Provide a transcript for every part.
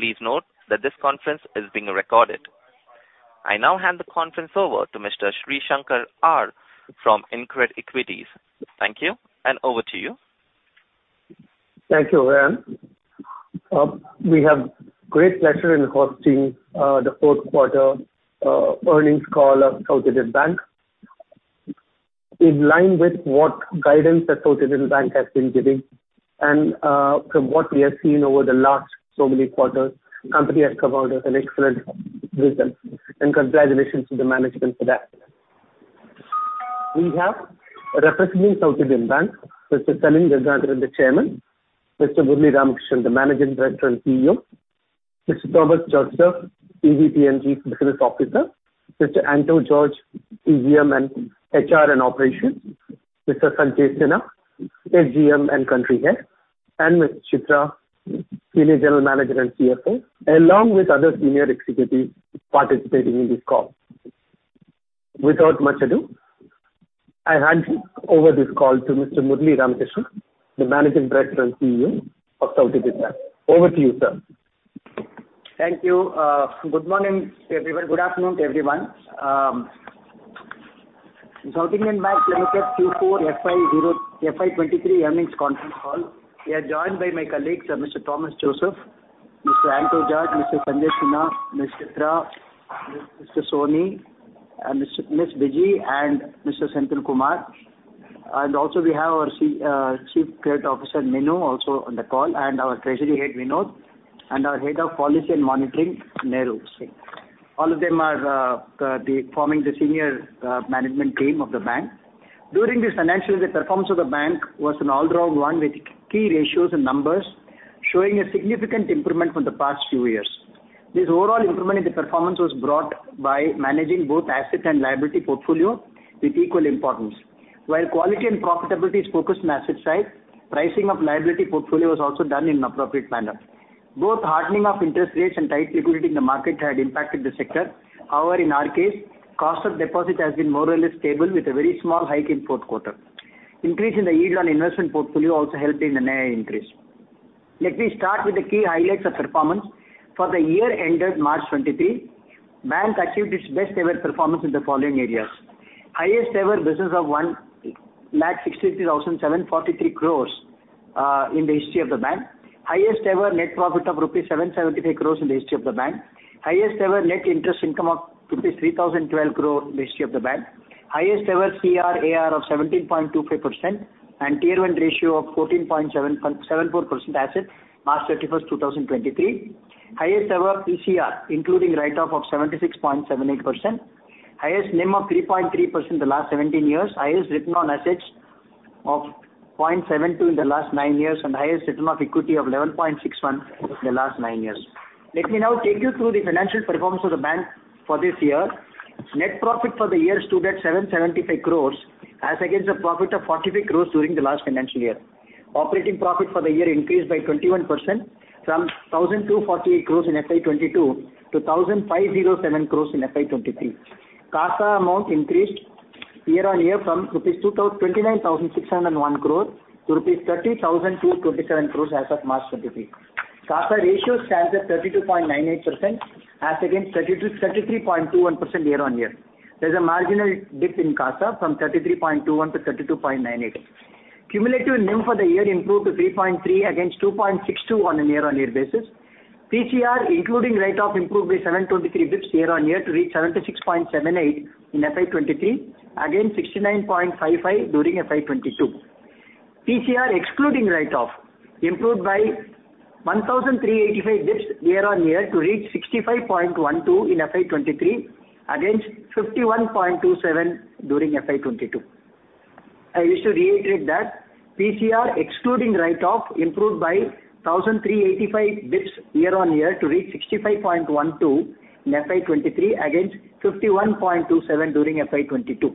Please note that this conference is being recorded. I now hand the conference over to Mr. Sri Shankar R. from InCred Equities. Thank you, and over to you. Thank you, Ryan. We have great pleasure in hosting the fourth quarter earnings call of South Indian Bank. In line with what guidance that South Indian Bank has been giving and from what we have seen over the last so many quarters, company has come out with an excellent result, and congratulations to the management for that. We have representing South Indian Bank, Mr. Salim Gangadharan, the Chairman, Mr. Murali Ramakrishnan, the Managing Director and CEO, Mr. Thomas Joseph, EVP and Chief Business Officer, Mr. Anto George, SGM and HR and Operations, Mr. Sanjai Sinha, AGM and Country Head, and Ms. Chitra, Senior General Manager and CFO, along with other senior executives participating in this call. Without much ado, I hand over this call to Mr. Murali Ramakrishnan, the Managing Director and CEO of South Indian Bank. Over to you, sir. Thank you. Good morning, everyone. Good afternoon to everyone. South Indian Bank Limited Q4 FY 2023 earnings conference call. We are joined by my colleagues, Mr. Thomas Joseph, Mr. Anto George, Mr. Sanjai Sinha, Ms. Chitra, Mr. Sony, and Mr..., Ms. Viji, and Mr. Senthil Kumar. And also, we have our Chief Credit Officer, Minu, also on the call, and our Treasury Head, Vinod, and our Head of Policy and Monitoring, Nehru Singh. All of them are forming the senior management team of the bank. During this financial year, the performance of the bank was an all-round one, with key ratios and numbers showing a significant improvement from the past few years. This overall improvement in the performance was brought by managing both asset and liability portfolio with equal importance. While quality and profitability is focused on asset side, pricing of liability portfolio was also done in an appropriate manner. Both hardening of interest rates and tight liquidity in the market had impacted the sector. However, in our case, cost of deposit has been more or less stable, with a very small hike in fourth quarter. Increase in the yield on investment portfolio also helped in the NII increase. Let me start with the key highlights of performance. For the year ended March 2023, the bank achieved its best ever performance in the following areas: highest ever business of 163,743 crore in the history of the bank, highest ever net profit of rupees 775 crore in the history of the bank, highest ever net interest income of rupees 3,012 crore in the history of the bank, highest ever CRAR of 17.25%, and Tier-I ratio of 14.774% as at March 31, 2023, highest ever PCR, including write-off of 76.78%, highest NIM of 3.3% in the last 17 years, highest return on assets of 0.72 in the last nine years, and highest return on equity of 11.61% in the last nine years. Let me now take you through the financial performance of the bank for this year. Net profit for the year stood at 775 crore as against the profit of 45 crore during the last financial year. Operating profit for the year increased by 21%, from 1,248 crore in FY 2022 to 1,507 crore in FY 2023. CASA amount increased year-on-year from 29,601 crore to 30,227 crore rupees as of March 2023. CASA ratio stands at 32.98% as against 33.21% year-on-year. There's a marginal dip in CASA from 33.21% to 32.98%. Cumulative NIM for the year improved to 3.3 against 2.62 on a year-on-year basis. PCR, including write-off, improved by 723 basis points year on year to reach 76.78% in FY 2023, against 69.55% during FY 2022. PCR, excluding write-off, improved by 1,385 basis points year on year to reach 65.12% in FY 2023, against 51.27% during FY 2022. I wish to reiterate that PCR, excluding write-off, improved by 1,385 basis points year- on- year to reach 65.12% in FY 2023, against 51.27% during FY 2022.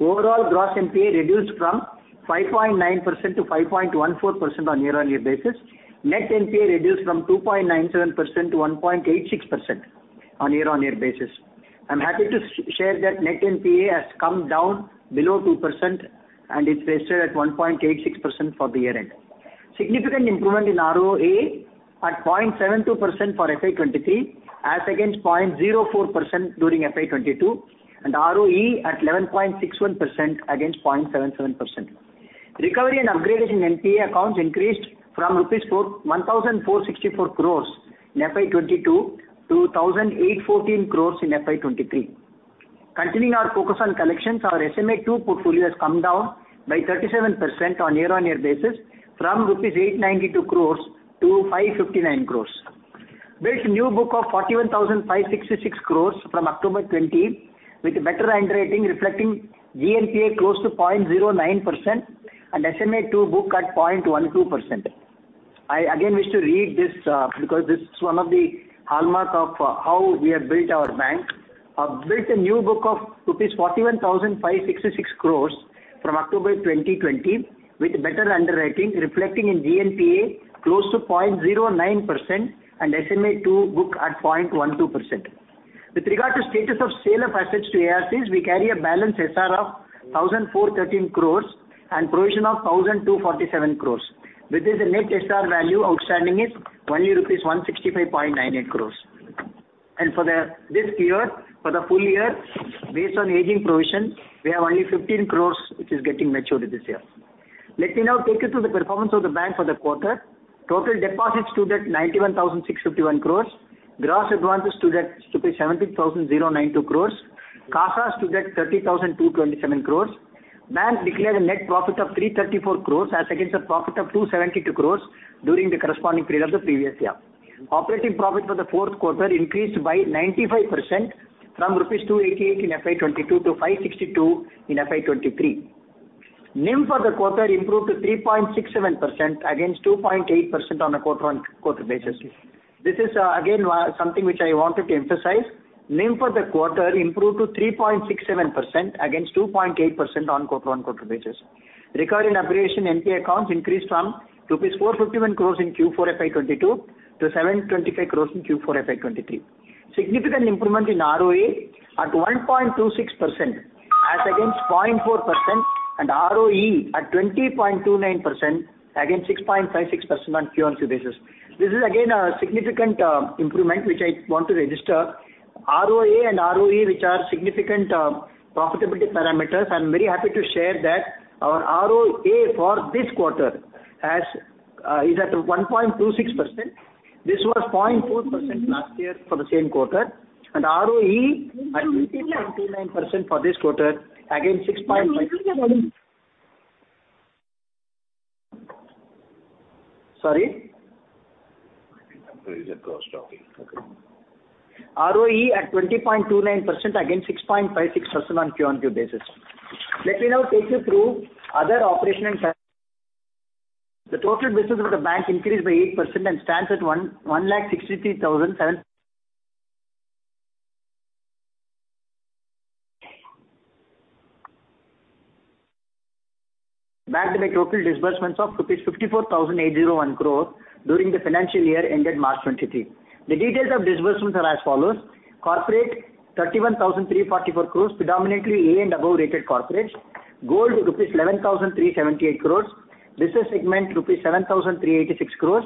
Overall, gross NPA reduced from 5.9% to 5.14% on year-on-year basis. Net NPA reduced from 2.97% to 1.86% on year-on-year basis. I'm happy to share that net NPA has come down below 2%, and it's rested at 1.86% for the year end. Significant improvement in ROA at 0.72% for FY 2023, as against 0.04% during FY 2022, and ROE at 11.61% against 0.77%. Recovery and upgradation in NPA accounts increased from INR 4,164 crore in FY 2022 to 8,014 crore in FY 2023. Continuing our focus on collections, our SMA-2 portfolio has come down by 37% on year-on-year basis from rupees 892 crore to 559 crore. Built new book of 41,566 crore from October 2020, with better underwriting reflecting GNPA close to 0.09% and SMA-2 book at 0.12%. I again wish to read this, because this is one of the hallmark of, how we have built our bank. Built a new book of rupees 41,566 crore from October 2020, with better underwriting, reflecting in GNPA close to 0.09% and SMA-2 book at 0.12%.... With regard to status of sale of assets to ARCs, we carry a balance SR of 1,413 crore and provision of 1,247 crore, with this the net SR value outstanding is only rupees 165.98 crore. For the, this year, for the full year, based on aging provision, we have only 15 crore, which is getting matured this year. Let me now take you to the performance of the bank for the quarter. Total deposits stood at 91,651 crore. Gross advances stood at 17,092 crore. CASA stood at 30,227 crore. Bank declared a net profit of 334 crore as against the profit of 272 crore during the corresponding period of the previous year. Operating profit for the fourth quarter increased by 95% from rupees 288 in FY 2022 to 562 in FY 2023. NIM for the quarter improved to 3.67% against 2.8% on a quarter-on-quarter basis. This is, again, something which I wanted to emphasize. NIM for the quarter improved to 3.67% against 2.8% on quarter-on-quarter basis. Recovery in NPA accounts increased from rupees 451 crore in Q4 FY 2022 to 725 crore in Q4 FY 2023. Significant improvement in ROA at 1.26% as against 0.4%, and ROE at 20.29% against 6.56% on QoQ basis. This is again a significant improvement which I want to register. ROA and ROE, which are significant profitability parameters, I'm very happy to share that our ROA for this quarter has is at 1.26%. This was 0.4% last year for the same quarter, and ROE at 20.29% for this quarter, against 6.5- Sorry? There is a cross talking. Okay. ROE at 20.29%, against 6.56% on QoQ basis. Let me now take you through other operation and sales. The total business of the bank increased by 8% and stands at 1,11,637 crore backed by total disbursements of rupees 54,801 crore during the financial year ended March 2023. The details of disbursements are as follows: corporate, 31,344 crore, predominantly A and above rated corporates, gold, rupees 11,378 crore, business segment, rupees 7,386 crore,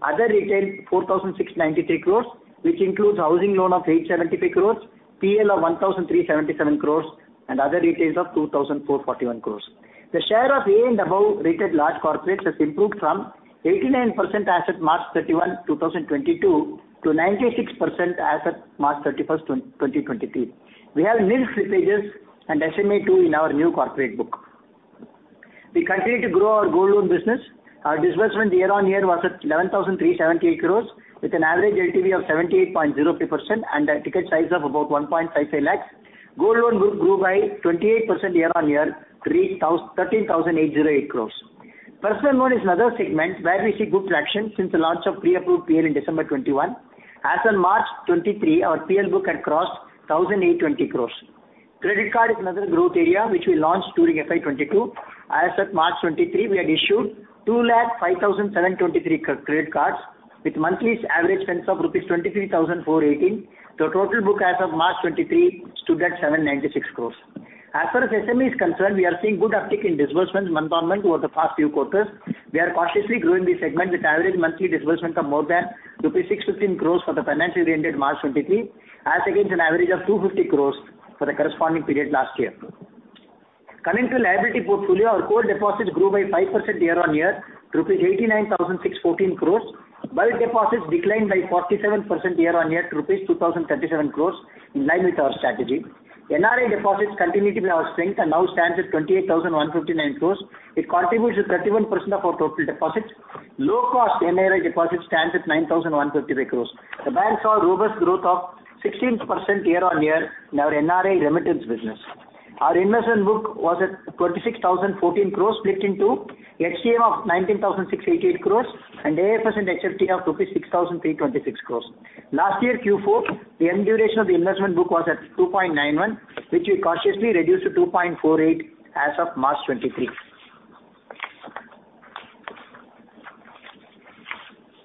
other retail, 4,693 crore, which includes housing loan of 873 crore, PL of 1,377 crore, and other retails of 2,441 crore. The share of A and above rated large corporates has improved from 89% as at March 31, 2022, to 96% as at March 31, 2023. We have nil slippages and SMA-2 in our new corporate book. We continue to grow our gold loan business. Our disbursement year-on-year was at 11,378 crore, with an average LTV of 78.03% and a ticket size of about 1.55 lakh. Gold loan grew by 28% year-on-year, 13,808 crore. Personal loan is another segment where we see good traction since the launch of pre-approved PL in December 2021. As on March 2023, our PL book had crossed 1,820 crore. Credit card is another growth area which we launched during FY 2022. As at March 2023, we had issued 205,723 credit cards, with monthly average spends of rupees 23,418. The total book as of March 2023 stood at 796 crores. As far as SME is concerned, we are seeing good uptick in disbursements month-on-month over the past few quarters. We are cautiously growing this segment with average monthly disbursement of more than rupees 615 crores for the financial year ended March 2023, as against an average of 250 crores for the corresponding period last year. Coming to liability portfolio, our core deposits grew by 5% year-on-year, rupees 89,614 crores, while deposits declined by 47% year-on-year, rupees 2,037 crores, in line with our strategy. NRI deposits continue to be our strength and now stands at 28,159 crores. It contributes to 31% of our total deposits. Low-cost NRI deposits stands at 9,153 crore. The bank saw robust growth of 16% year-on-year in our NRI remittance business. Our investment book was at 26,014 crore, split into HTM of 19,688 crore and AFS and HFT of 6,326 crore. Last year, Q4, the end duration of the investment book was at 2.91, which we cautiously reduced to 2.48 as of March 2023.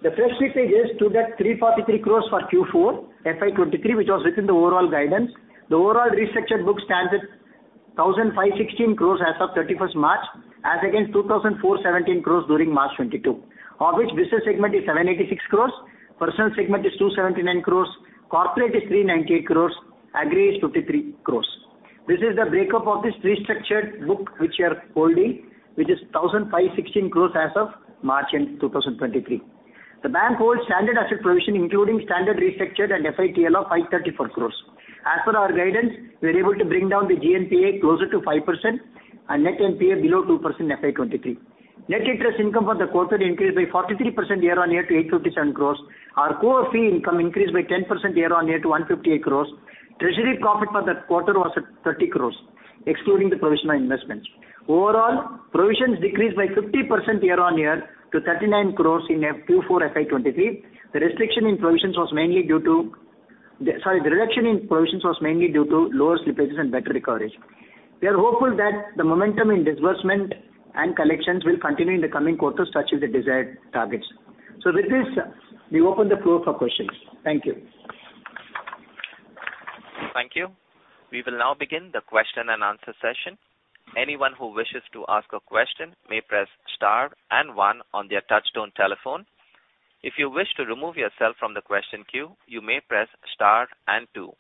The fresh slippage is stood at 343 crore for Q4 FY 2023, which was within the overall guidance. The overall restructured book stands at 1,516 crore as of March 31, as against 2,417 crore during March 2022, of which business segment is 786 crore, personal segment is 279 crore, corporate is 398 crore, agri is 53 crore. This is the breakup of this restructured book which we are holding, which is 1,516 crore as of March end 2023. The bank holds standard asset provision, including standard restructured and FITL of 534 crore. As per our guidance, we are able to bring down the GNPA closer to 5% and net NPA below 2% in FY 2023. Net interest income for the quarter increased by 43% year-on-year to 857 crore. Our core fee income increased by 10% year-on-year to 158 crore. Treasury profit for that quarter was at 30 crore, excluding the provision on investments. Overall, provisions decreased by 50% year-on-year to 39 crore in Q4 FY 2023. The reduction in provisions was mainly due to lower slippages and better recovery. We are hopeful that the momentum in disbursement and collections will continue in the coming quarters to achieve the desired targets. So with this, we open the floor for questions. Thank you. Thank you. We will now begin the question-and-answer session. Anyone who wishes to ask a question may press star and one on their touchtone telephone. If you wish to remove yourself from the question queue, you may press star and two.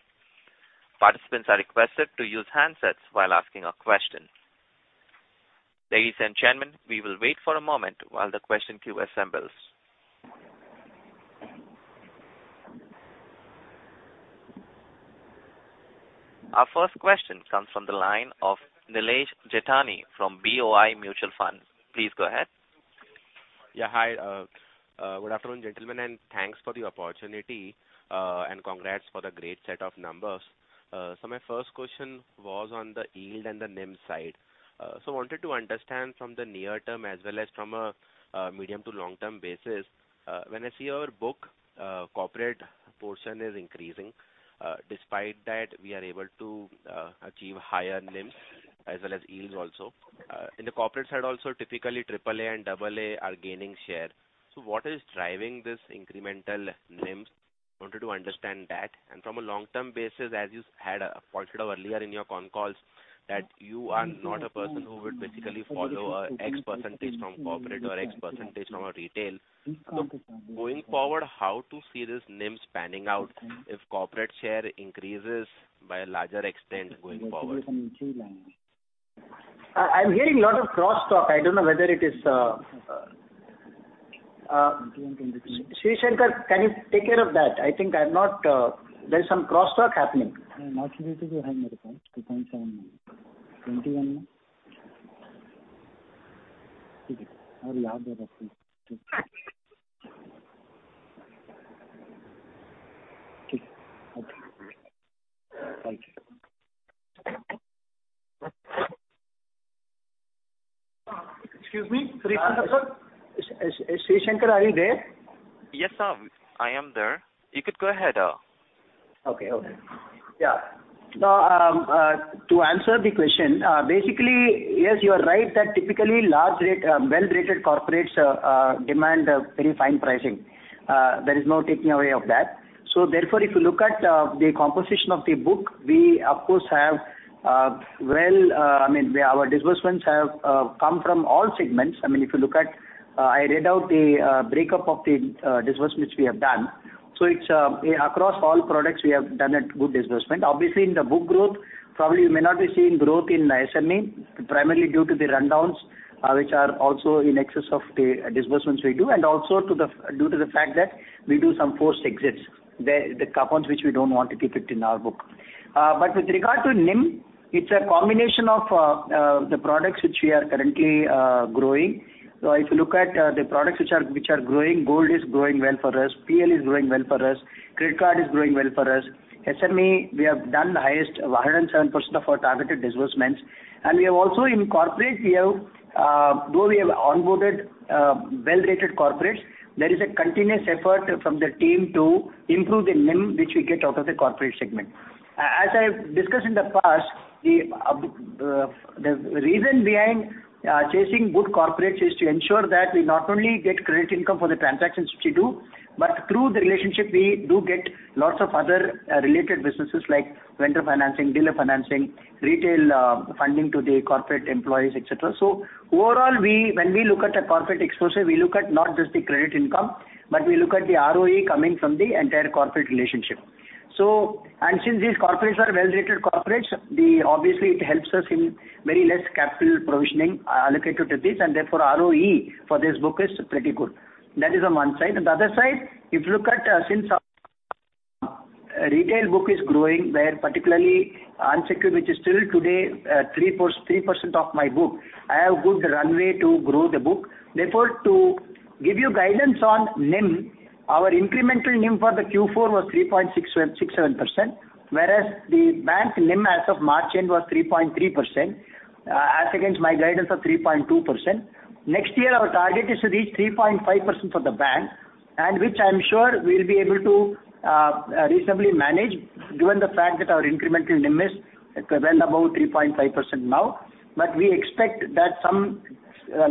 Participants are requested to use handsets while asking a question. Ladies and gentlemen, we will wait for a moment while the question queue assembles. Our first question comes from the line of Nilesh Jethani from BOI Mutual Fund. Please go ahead. Yeah, hi, good afternoon, gentlemen, and thanks for the opportunity, and congrats for the great set of numbers. So my first question was on the yield and the NIM side. So I wanted to understand from the near term as well as from a medium to long-term basis, when I see your book, corporate portion is increasing. Despite that, we are able to achieve higher NIMs as well as yields also. In the corporate side also, typically triple A and double A are gaining share. So what is driving this incremental NIMs? I wanted to understand that. And from a long-term basis, as you had pointed out earlier in your con calls, that you are not a person who would basically follow, X percentage from corporate or X percentage from a retail. Going forward, how to see this NIM panning out if corporate share increases by a larger extent going forward? I, I'm hearing a lot of crosstalk. I don't know whether it is, Sri Shankar, can you take care of that? I think I'm not, there is some crosstalk happening. Excuse me, Sri Shankar, sir. Sri Shankar, are you there? Yes, sir, I am there. You could go ahead. Okay. Okay. Yeah. Now, to answer the question, basically, yes, you are right, that typically large rate, well-rated corporates, demand a very fine pricing. There is no taking away of that. So therefore, if you look at, the composition of the book, we, of course, have, well, I mean, our disbursements have, come from all segments. I mean, if you look at, I read out the, breakup of the, disbursements we have done. So it's, across all products, we have done a good disbursement. Obviously, in the book growth, probably you may not be seeing growth in SME, primarily due to the rundowns, which are also in excess of the disbursements we do, and also due to the fact that we do some forced exits, the coupons, which we don't want to keep it in our book. But with regard to NIM, it's a combination of the products which we are currently growing. So if you look at the products which are growing, gold is growing well for us, PL is growing well for us, credit card is growing well for us. SME, we have done the highest, 107% of our targeted disbursements. We have also in corporates, we have, though we have onboarded, well-rated corporates, there is a continuous effort from the team to improve the NIM, which we get out of the corporate segment. As I have discussed in the past, the reason behind chasing good corporates is to ensure that we not only get credit income for the transactions which we do, but through the relationship, we do get lots of other related businesses like vendor financing, dealer financing, retail funding to the corporate employees, et cetera. So overall, we, when we look at a corporate exposure, we look at not just the credit income, but we look at the ROE coming from the entire corporate relationship. So... and since these corporates are well-rated corporates, the obviously, it helps us in very less capital provisioning allocated to this, and therefore, ROE for this book is pretty good. That is on one side. On the other side, if you look at, since our retail book is growing, where particularly, unsecured, which is still today, 3.43% of my book, I have good runway to grow the book. Therefore, to give you guidance on NIM, our incremental NIM for the Q4 was 3.667%, whereas the bank NIM as of March end was 3.3%, as against my guidance of 3.2%. Next year, our target is to reach 3.5% for the bank, and which I'm sure we'll be able to reasonably manage, given the fact that our incremental NIM is well above 3.5% now. But we expect that some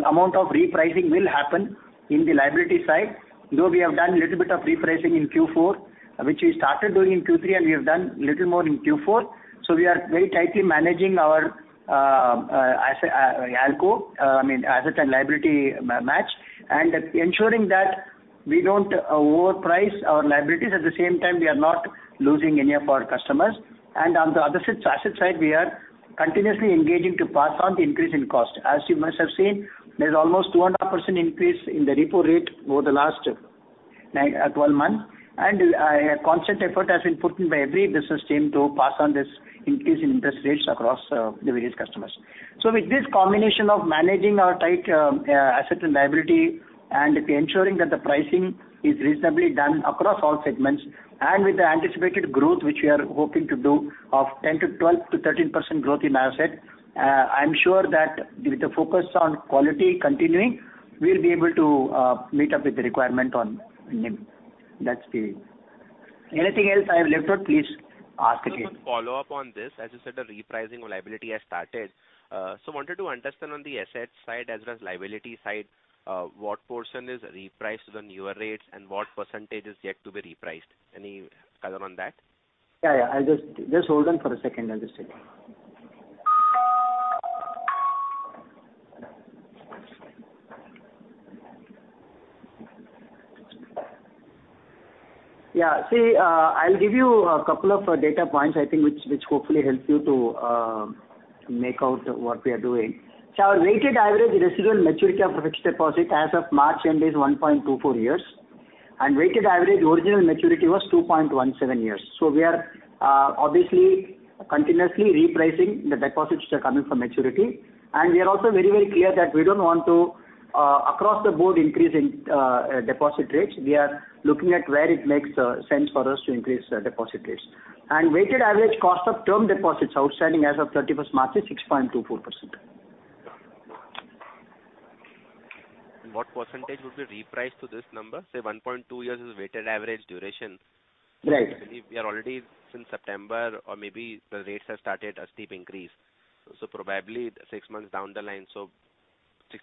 amount of repricing will happen in the liability side, though we have done a little bit of repricing in Q4, which we started doing in Q3, and we have done little more in Q4. So we are very tightly managing our ALCO, I mean, asset and liability match, and ensuring that we don't overprice our liabilities. At the same time, we are not losing any of our customers. And on the other side, asset side, we are continuously engaging to pass on the increase in cost. As you must have seen, there's almost 2.5% increase in the repo rate over the last nine, twelve months, and a constant effort has been put in by every business team to pass on this increase in interest rates across, the various customers. So with this combination of managing our tight, asset and liability and ensuring that the pricing is reasonably done across all segments and with the anticipated growth, which we are hoping to do of 10% to 12% to 13% growth in our asset, I'm sure that with the focus on quality continuing, we'll be able to, meet up with the requirement on NIM. That's the... Anything else I have left out, please ask again. Follow up on this. As you said, the repricing or liability has started. So wanted to understand on the asset side as well as liability side, what portion is repriced to the newer rates and what percentage is yet to be repriced? Any color on that? Yeah, yeah. I just hold on for a second, I'll just check. Yeah. See, I'll give you a couple of data points, I think, which hopefully helps you to make out what we are doing. So our weighted average residual maturity of fixed deposit as of March end is 1.24 years, and weighted average original maturity was 2.17 years. So we are obviously continuously repricing the deposits which are coming from maturity. And we are also very, very clear that we don't want to across the board increase in deposit rates. We are looking at where it makes sense for us to increase the deposit rates. And weighted average cost of term deposits outstanding as of March 31 is 6.24%. What percentage would be repriced to this number? Say, 1.2 years is weighted average duration. Right. We are already since September or maybe the rates have started a steep increase, so probably six months down the line.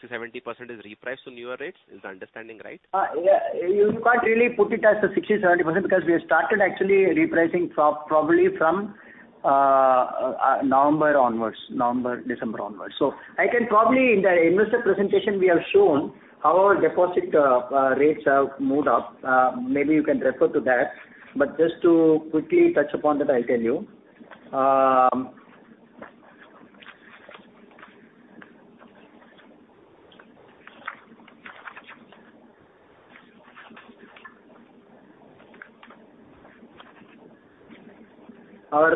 60%-70% is repriced to newer rates. Is the understanding right? Yeah, you can't really put it as a 60%-70%, because we have started actually repricing probably from November onwards, November, December onwards. So I can probably, in the investor presentation, we have shown how our deposit rates have moved up. Maybe you can refer to that, but just to quickly touch upon that, I'll tell you. Our...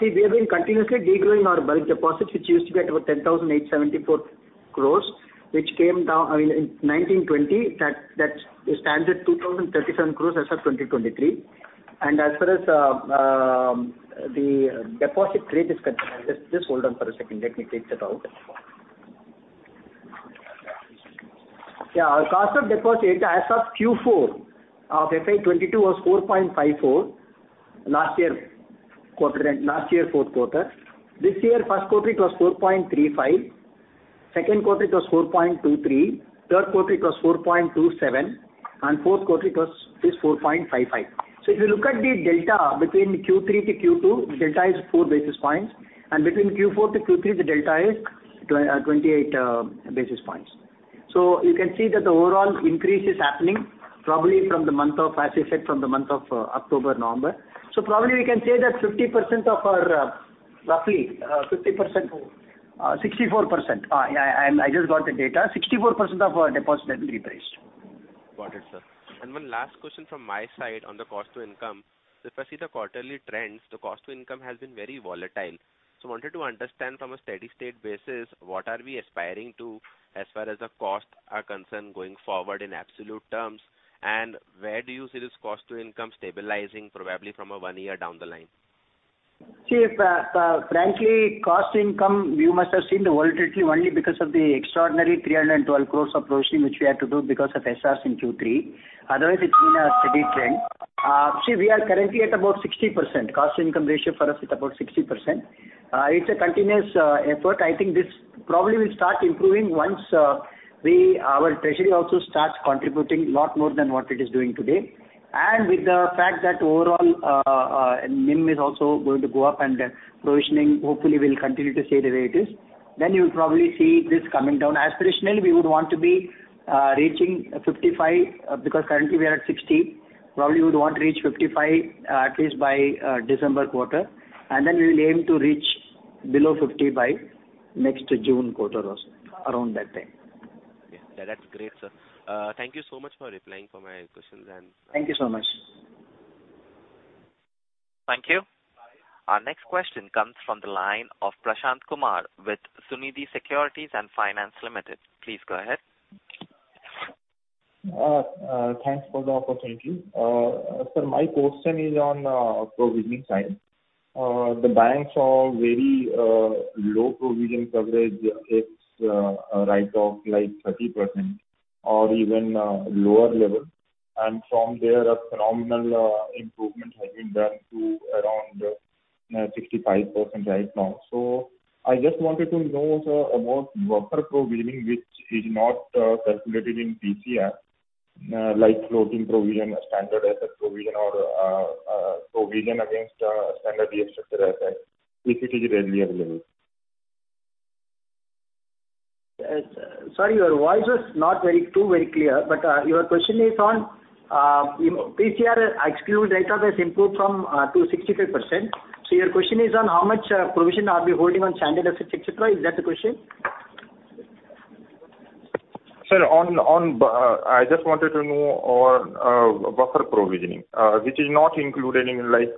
See, we have been continuously degrowing our bulk deposits, which used to be at about 10,874 crore, which came down, I mean, in 2020, that stands at 2,037 crore as of 2023. And as far as the deposit rate is concerned, just, just hold on for a second. Let me take that out. Yeah, our cost of deposit as of Q4 of FY 2022 was 4.54, last year quarter, last year fourth quarter. This year, first quarter, it was 4.35, second quarter it was 4.23, third quarter it was 4.27, and fourth quarter it was, is 4.55. So if you look at the delta between Q3 to Q2, delta is 4 basis points, and between Q4 to Q3, the delta is twenty-eight basis points. So you can see that the overall increase is happening probably from the month of, as effect from the month of October, November. So probably we can say that 50% of our, roughly, 50%, 64%. Yeah, I, I just got the data. 64% of our deposit has been repriced. Got it, sir. And one last question from my side on the cost to income. If I see the quarterly trends, the cost to income has been very volatile. So I wanted to understand from a steady state basis, what are we aspiring to as far as the costs are concerned, going forward in absolute terms, and where do you see this cost to income stabilizing, probably from a one year down the line? See, frankly, cost to income, you must have seen the volatility only because of the extraordinary 312 crore of provisioning, which we had to do because of SRs in Q3. Otherwise, it's been a steady trend. See, we are currently at about 60%. Cost to income ratio for us is about 60%. It's a continuous, effort. I think this probably will start improving once, we, our treasury also starts contributing a lot more than what it is doing today. And with the fact that overall, NIM is also going to go up and provisioning, hopefully will continue to stay the way it is, then you'll probably see this coming down. Aspirationally, we would want to be, reaching 55, because currently we are at 60. Probably, we would want to reach 55, at least by December quarter, and then we will aim to reach below 50 by next June quarter or so, around that time. Okay. That's great, sir. Thank you so much for replying for my questions and- Thank you so much. Thank you. Our next question comes from the line of Prashant Kumar with Sunidhi Securities and Finance Limited. Please go ahead. Thanks for the opportunity. Sir, my question is on the provisioning side. The banks are very low provision coverage. It's a write-off, like 30% or even lower level. And from there, a phenomenal improvement has been done to around 65% right now. So I just wanted to know, sir, about buffer provisioning, which is not calculated in PCR, like floating provision, standard asset provision, or provision against standard asset, et cetera, if it is readily available. Sorry, your voice was not very, too very clear, but, your question is on, PCR exclude write-off has improved from, to 65%. So your question is on how much, provision are we holding on standard assets, et cetera? Is that the question? Sir, on, I just wanted to know on buffer provisioning, which is not included in, like,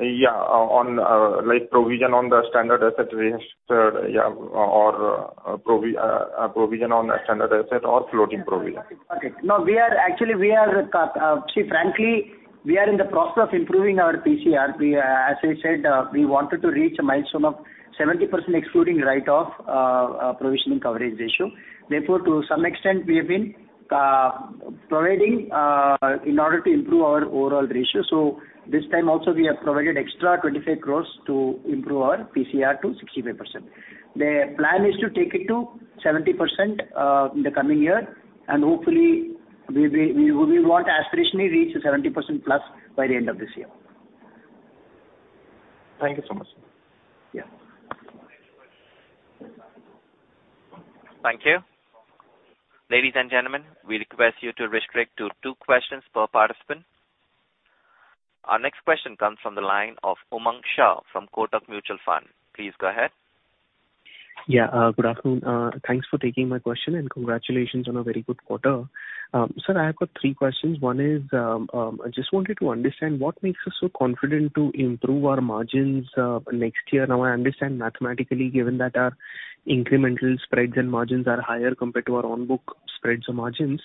yeah, on, like, provision on the standard asset register, yeah, or provision on standard asset or floating provision. Okay. No, we are actually, we are, see, frankly, we are in the process of improving our PCR. We, as I said, we wanted to reach a milestone of 70%, excluding write-off, provisioning coverage ratio. Therefore, to some extent, we have been providing, in order to improve our overall ratio. So this time also, we have provided extra 25 crore to improve our PCR to 65%. The plan is to take it to 70%, in the coming year, and hopefully, we want to aspirationally reach 70% plus by the end of this year. Thank you so much, sir. Yeah. Thank you. Ladies and gentlemen, we request you to restrict to two questions per participant. Our next question comes from the line of Umang Shah from Kotak Mutual Fund. Please go ahead. Yeah, good afternoon. Thanks for taking my question, and congratulations on a very good quarter. Sir, I have got three questions. One is, I just wanted to understand what makes us so confident to improve our margins next year? Now, I understand mathematically, given that our incremental spreads and margins are higher compared to our on-book spreads or margins,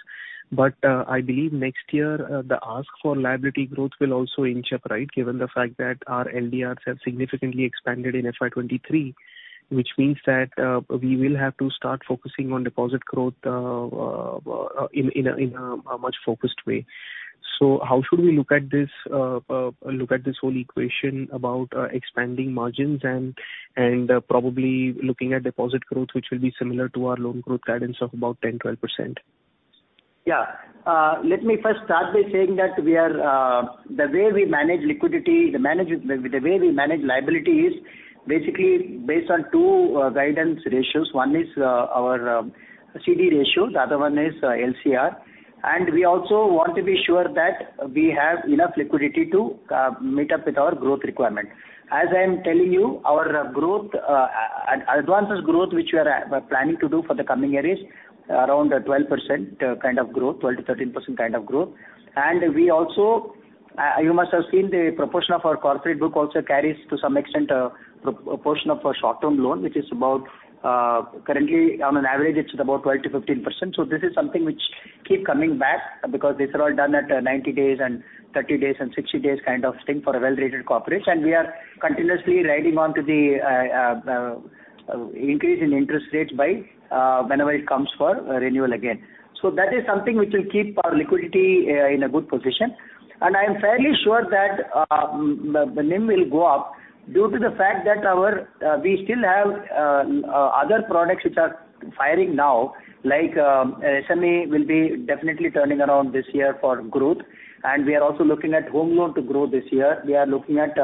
but I believe next year, the ask for liability growth will also inch up, right? Given the fact that our LDRs have significantly expanded in FY 2023, which means that we will have to start focusing on deposit growth in a much focused way. So how should we look at this whole equation about expanding margins and probably looking at deposit growth, which will be similar to our loan growth guidance of about 10%-12%? Yeah. Let me first start by saying that we are, the way we manage liquidity, the way we manage liability is basically based on two guidance ratios. One is, our CD ratio, the other one is LCR. And we also want to be sure that we have enough liquidity to meet up with our growth requirement. As I am telling you, our growth, advances growth, which we are planning to do for the coming year, is around 12% kind of growth, 12%-13% kind of growth. And we also, you must have seen the proportion of our corporate book also carries, to some extent, a portion of a short-term loan, which is about, currently, on an average, it's about 12%-15%. So this is something which keep coming back because these are all done at 90 days and 30 days and 60 days kind of thing for a well-rated corporation. We are continuously riding on to the increase in interest rates by whenever it comes for renewal again. So that is something which will keep our liquidity in a good position. And I am fairly sure that the NIM will go up due to the fact that our we still have other products which are firing now, like SME will be definitely turning around this year for growth, and we are also looking at home loan to grow this year. We are looking at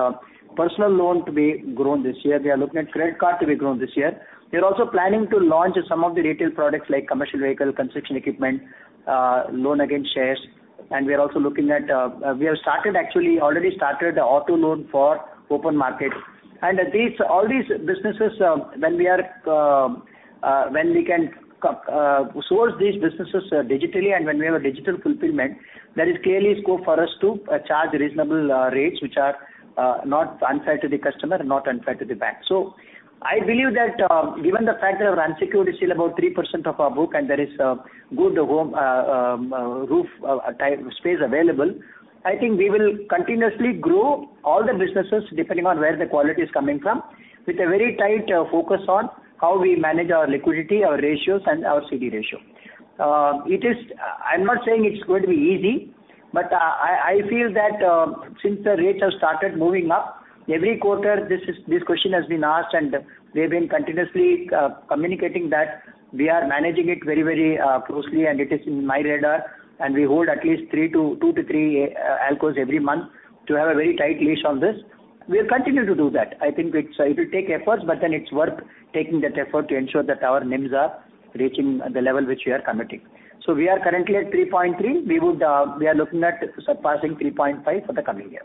personal loan to be grown this year. We are looking at credit card to be grown this year. We are also planning to launch some of the retail products like commercial vehicle, construction equipment, loan against shares, and we are also looking at. We have started, actually, already started the auto loan for open market. And these, all these businesses, when we can source these businesses digitally and when we have a digital fulfillment, there is clearly scope for us to charge reasonable rates, which are not unfair to the customer and not unfair to the bank. So I believe that, given the fact that our unsecured is still about 3% of our book, and there is good home loan type space available, I think we will continuously grow all the businesses depending on where the quality is coming from, with a very tight focus on how we manage our liquidity, our ratios, and our CD ratio. It is. I'm not saying it's going to be easy, but I feel that, since the rates have started moving up, every quarter, this question has been asked, and we've been continuously communicating that we are managing it very, very closely, and it is in my radar, and we hold at least two to three ALCOs every month to have a very tight leash on this. We'll continue to do that. I think it will take efforts, but then it's worth taking that effort to ensure that our NIMs are reaching the level which we are committing. So we are currently at 3.3. We would, we are looking at surpassing 3.5 for the coming year.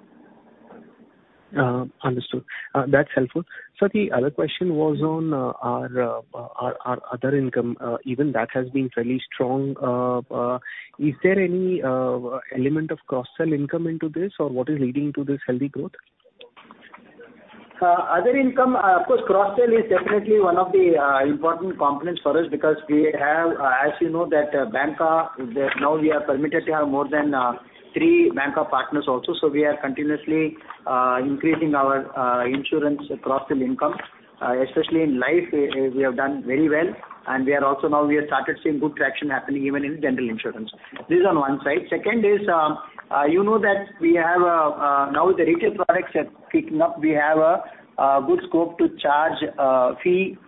Understood. That's helpful. Sir, the other question was on our other income. Is there any element of cross-sell income into this, or what is leading to this healthy growth? Other income, of course, cross-sell is definitely one of the important components for us because we have, as you know, that bancassurance, that now we are permitted to have more than three bancassurance partners also. So we are continuously increasing our insurance cross-sell income. Especially in life, we have done very well, and we are also now we have started seeing good traction happening even in general insurance. This is on one side. Second is, you know that we have now the retail products are picking up. We have a good scope to charge fee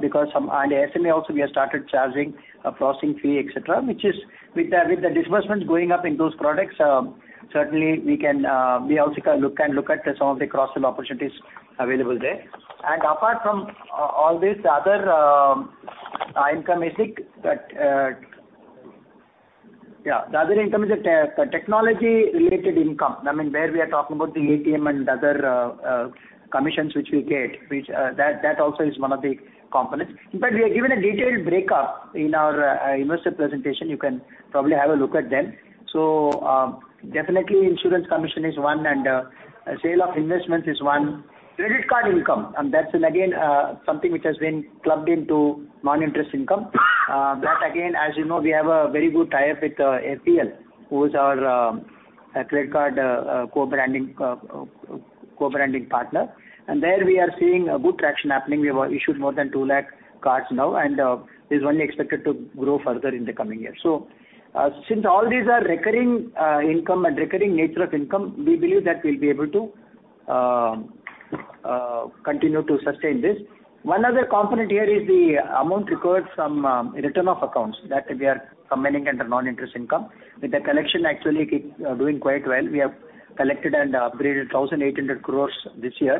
because some... SME also, we have started charging a processing fee, et cetera, which is with the, with the disbursements going up in those products, certainly we can, we also can look, can look at some of the cross-sell opportunities available there. Apart from all this, the other income is, yeah, the other income is the technology related income. I mean, where we are talking about the ATM and other commissions which we get, which, that, that also is one of the components. In fact, we have given a detailed breakup in our investor presentation. You can probably have a look at them. So, definitely, insurance commission is one, and sale of investments is one. Credit card income, and that's again something which has been clubbed into non-interest income. That again, as you know, we have a very good tie-up with FPL, who is our credit card co-branding partner, and there we are seeing a good traction happening. We have issued more than 200,000 cards now, and this is only expected to grow further in the coming years. So, since all these are recurring income and recurring nature of income, we believe that we'll be able to continue to sustain this. One other component here is the amount recovered from return of accounts that we are submitting under non-interest income. With the collection actually keep doing quite well, we have collected and upgraded 1,800 crore this year,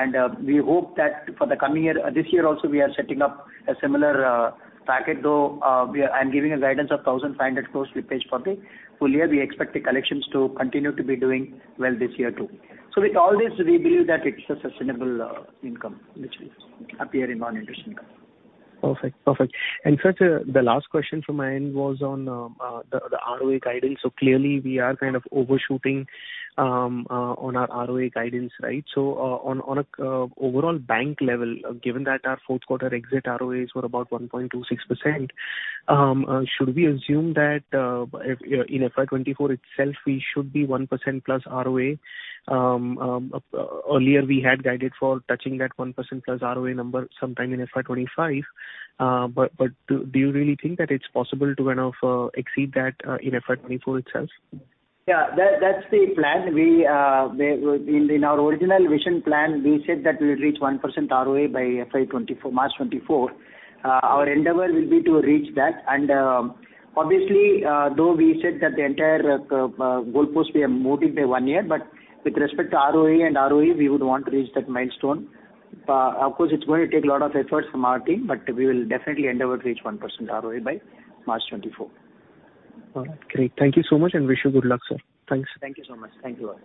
and we hope that for the coming year, this year also, we are setting up a similar packet, though we are—I'm giving a guidance of 1,500 crore slippage for the full year. We expect the collections to continue to be doing well this year, too. So with all this, we believe that it's a sustainable income which will appear in non-interest income. Perfect. Perfect. And sir, the last question from my end was on the ROE guidance. So clearly, we are kind of overshooting on our ROE guidance, right? So, on an overall bank level, given that our fourth quarter exit ROEs were about 1.26%, should we assume that if in FY 2024 itself, we should be 1%+ ROA? Earlier we had guided for touching that 1%+ ROA number sometime in FY 2025, but do you really think that it's possible to kind of exceed that in FY 2024 itself? Yeah, that, that's the plan. We, we in our original vision plan, we said that we will reach 1% ROA by FY 2024, March 2024. Our endeavor will be to reach that, and, obviously, though we said that the entire, goalpost, we are moving by one year, but with respect to ROA and ROE, we would want to reach that milestone. Of course, it's going to take a lot of effort from our team, but we will definitely endeavor to reach 1% ROA by March 2024. All right. Great. Thank you so much, and wish you good luck, sir. Thanks. Thank you so much. Thank you all.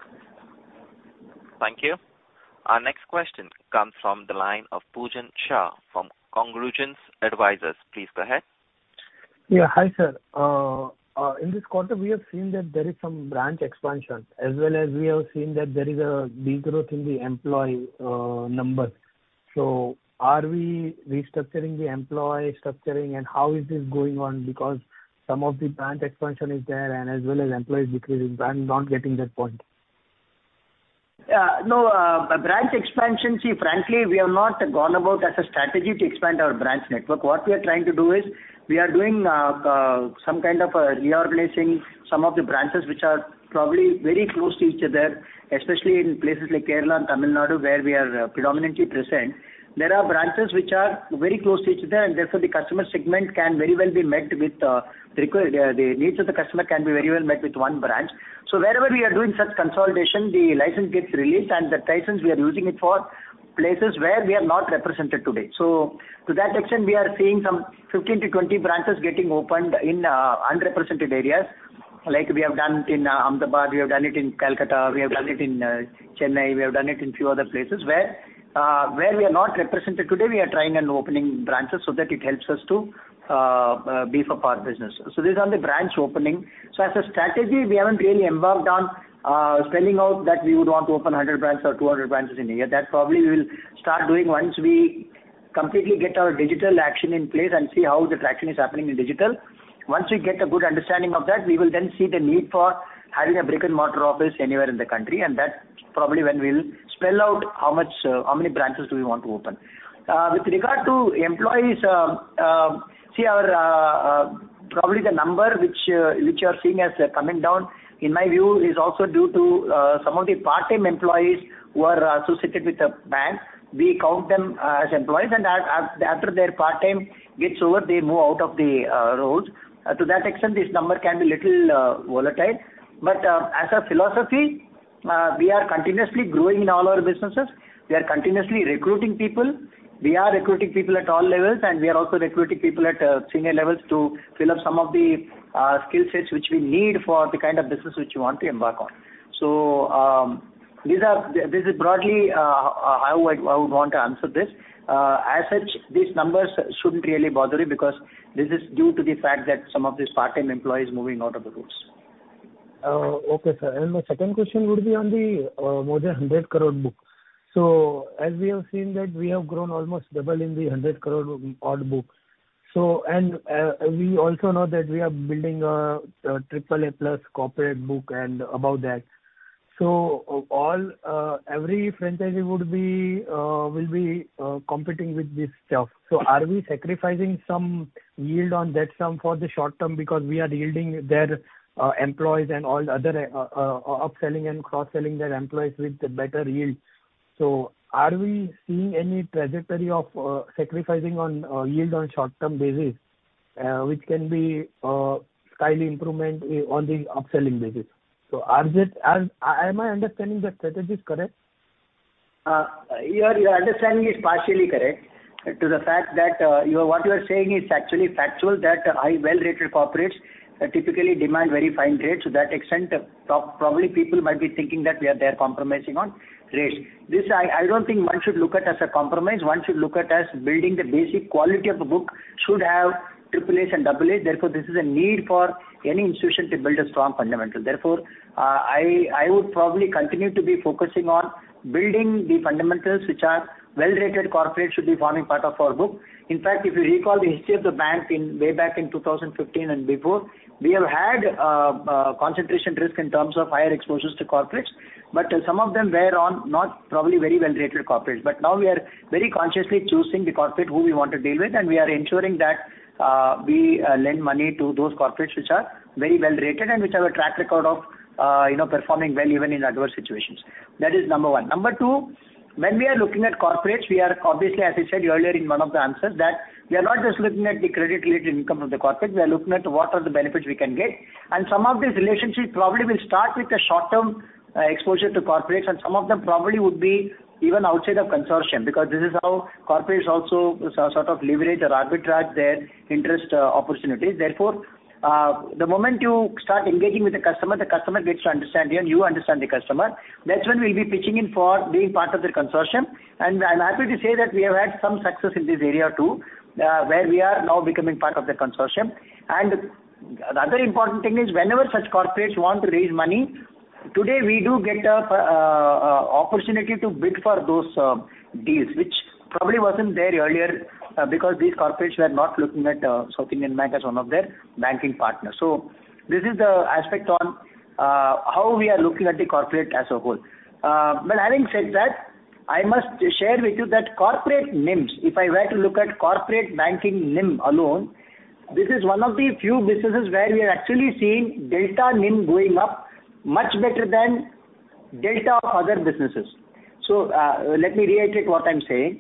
Thank you. Our next question comes from the line of Pujen Shah from Congruence Advisors. Please go ahead. Yeah, hi, sir. In this quarter, we have seen that there is some branch expansion, as well as we have seen that there is a degrowth in the employee numbers. So are we restructuring the employee structuring, and how is this going on? Because some of the branch expansion is there and as well as employees decreasing. I'm not getting that point. No, branch expansion, see, frankly, we have not gone about as a strategy to expand our branch network. What we are trying to do is, we are doing some kind of a reorganizing some of the branches which are probably very close to each other, especially in places like Kerala and Tamil Nadu, where we are predominantly present. There are branches which are very close to each other, and therefore, the customer segment can very well be met with required. The needs of the customer can be very well met with one branch. So wherever we are doing such consolidation, the license gets released, and the license, we are using it for places where we are not represented today. So to that extent, we are seeing some 15-20 branches getting opened in underrepresented areas, like we have done in Ahmedabad, we have done it in Kolkata, we have done it in Chennai, we have done it in a few other places where we are not represented today, we are trying and opening branches so that it helps us to beef up our business. So these are the branch opening. So as a strategy, we haven't really embarked on spelling out that we would want to open 100 branches or 200 branches in a year. That probably we will start doing once we completely get our digital action in place and see how the traction is happening in digital. Once we get a good understanding of that, we will then see the need for having a brick-and-mortar office anywhere in the country, and that's probably when we will spell out how much, how many branches do we want to open. With regard to employees, probably the number which you are seeing as coming down, in my view, is also due to some of the part-time employees who are associated with the bank. We count them as employees, and after their part-time gets over, they move out of the roles. To that extent, this number can be a little volatile, but as a philosophy, we are continuously growing in all our businesses. We are continuously recruiting people. We are recruiting people at all levels, and we are also recruiting people at senior levels to fill up some of the skill sets which we need for the kind of business which we want to embark on. This is broadly how I would want to answer this. As such, these numbers shouldn't really bother you, because this is due to the fact that some of these part-time employees moving out of the roles. Okay, sir. And my second question would be on the more than 100 crore books. So as we have seen that we have grown almost double in the 100 crore odd books. So, and, we also know that we are building a triple A plus corporate book and about that. So all every franchise would be will be competing with this stuff. So are we sacrificing some yield on that sum for the short term because we are yielding their employees and all other upselling and cross-selling their employees with the better yields? So are we seeing any trajectory of sacrificing on yield on short-term basis which can be slightly improvement on the upselling basis? So are it am I understanding the strategies correct? Your, your understanding is partially correct. To the fact that, you are-- what you are saying is actually factual, that high well-rated corporates typically demand very fine rates. To that extent, probably people might be thinking that we are there compromising on rates. This I, I don't think one should look at as a compromise. One should look at as building the basic quality of the book should have triple As and double As. Therefore, this is a need for any institution to build a strong fundamental. Therefore, I, I would probably continue to be focusing on building the fundamentals, which are well-rated corporates should be forming part of our book. In fact, if you recall the history of the bank way back in 2015 and before, we have had concentration risk in terms of higher exposures to corporates, but some of them were on not probably very well-rated corporates. But now we are very consciously choosing the corporate who we want to deal with, and we are ensuring that we lend money to those corporates which are very well-rated and which have a track record of you know, performing well even in adverse situations. That is number one. Number two, when we are looking at corporates, we are obviously, as I said earlier in one of the answers, that we are not just looking at the credit-related income of the corporate, we are looking at what are the benefits we can get. And some of these relationships probably will start with a short-term exposure to corporates, and some of them probably would be even outside of consortium, because this is how corporates also sort of leverage or arbitrage their interest opportunities. Therefore, the moment you start engaging with the customer, the customer gets to understand you and you understand the customer. That's when we'll be pitching in for being part of the consortium, and I'm happy to say that we have had some success in this area, too, where we are now becoming part of the consortium. And the other important thing is whenever such corporates want to raise money, today, we do get opportunity to bid for those deals, which probably wasn't there earlier, because these corporates were not looking at South Indian Bank as one of their banking partners. So this is the aspect on how we are looking at the corporate as a whole. But having said that, I must share with you that corporate NIMs, if I were to look at corporate banking NIM alone, this is one of the few businesses where we are actually seeing delta NIM going up much better than delta of other businesses. So let me reiterate what I'm saying.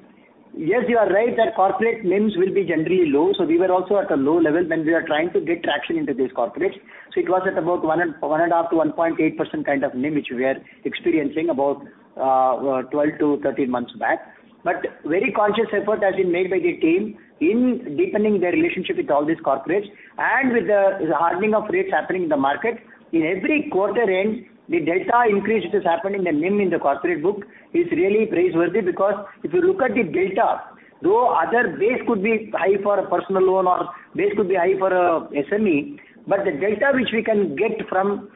Yes, you are right, that corporate NIMs will be generally low, so we were also at a low level when we were trying to get traction into these corporates. So it was at about 1.5%-1.8% kind of NIM, which we are experiencing about 12-13 months back. But very conscious effort has been made by the team in deepening their relationship with all these corporates, and with the hardening of rates happening in the market, in every quarter end, the delta increase which is happening in the NIM in the corporate book is really praiseworthy because if you look at the delta, though other base could be high for a personal loan or base could be high for a SME, but the delta which we can get from,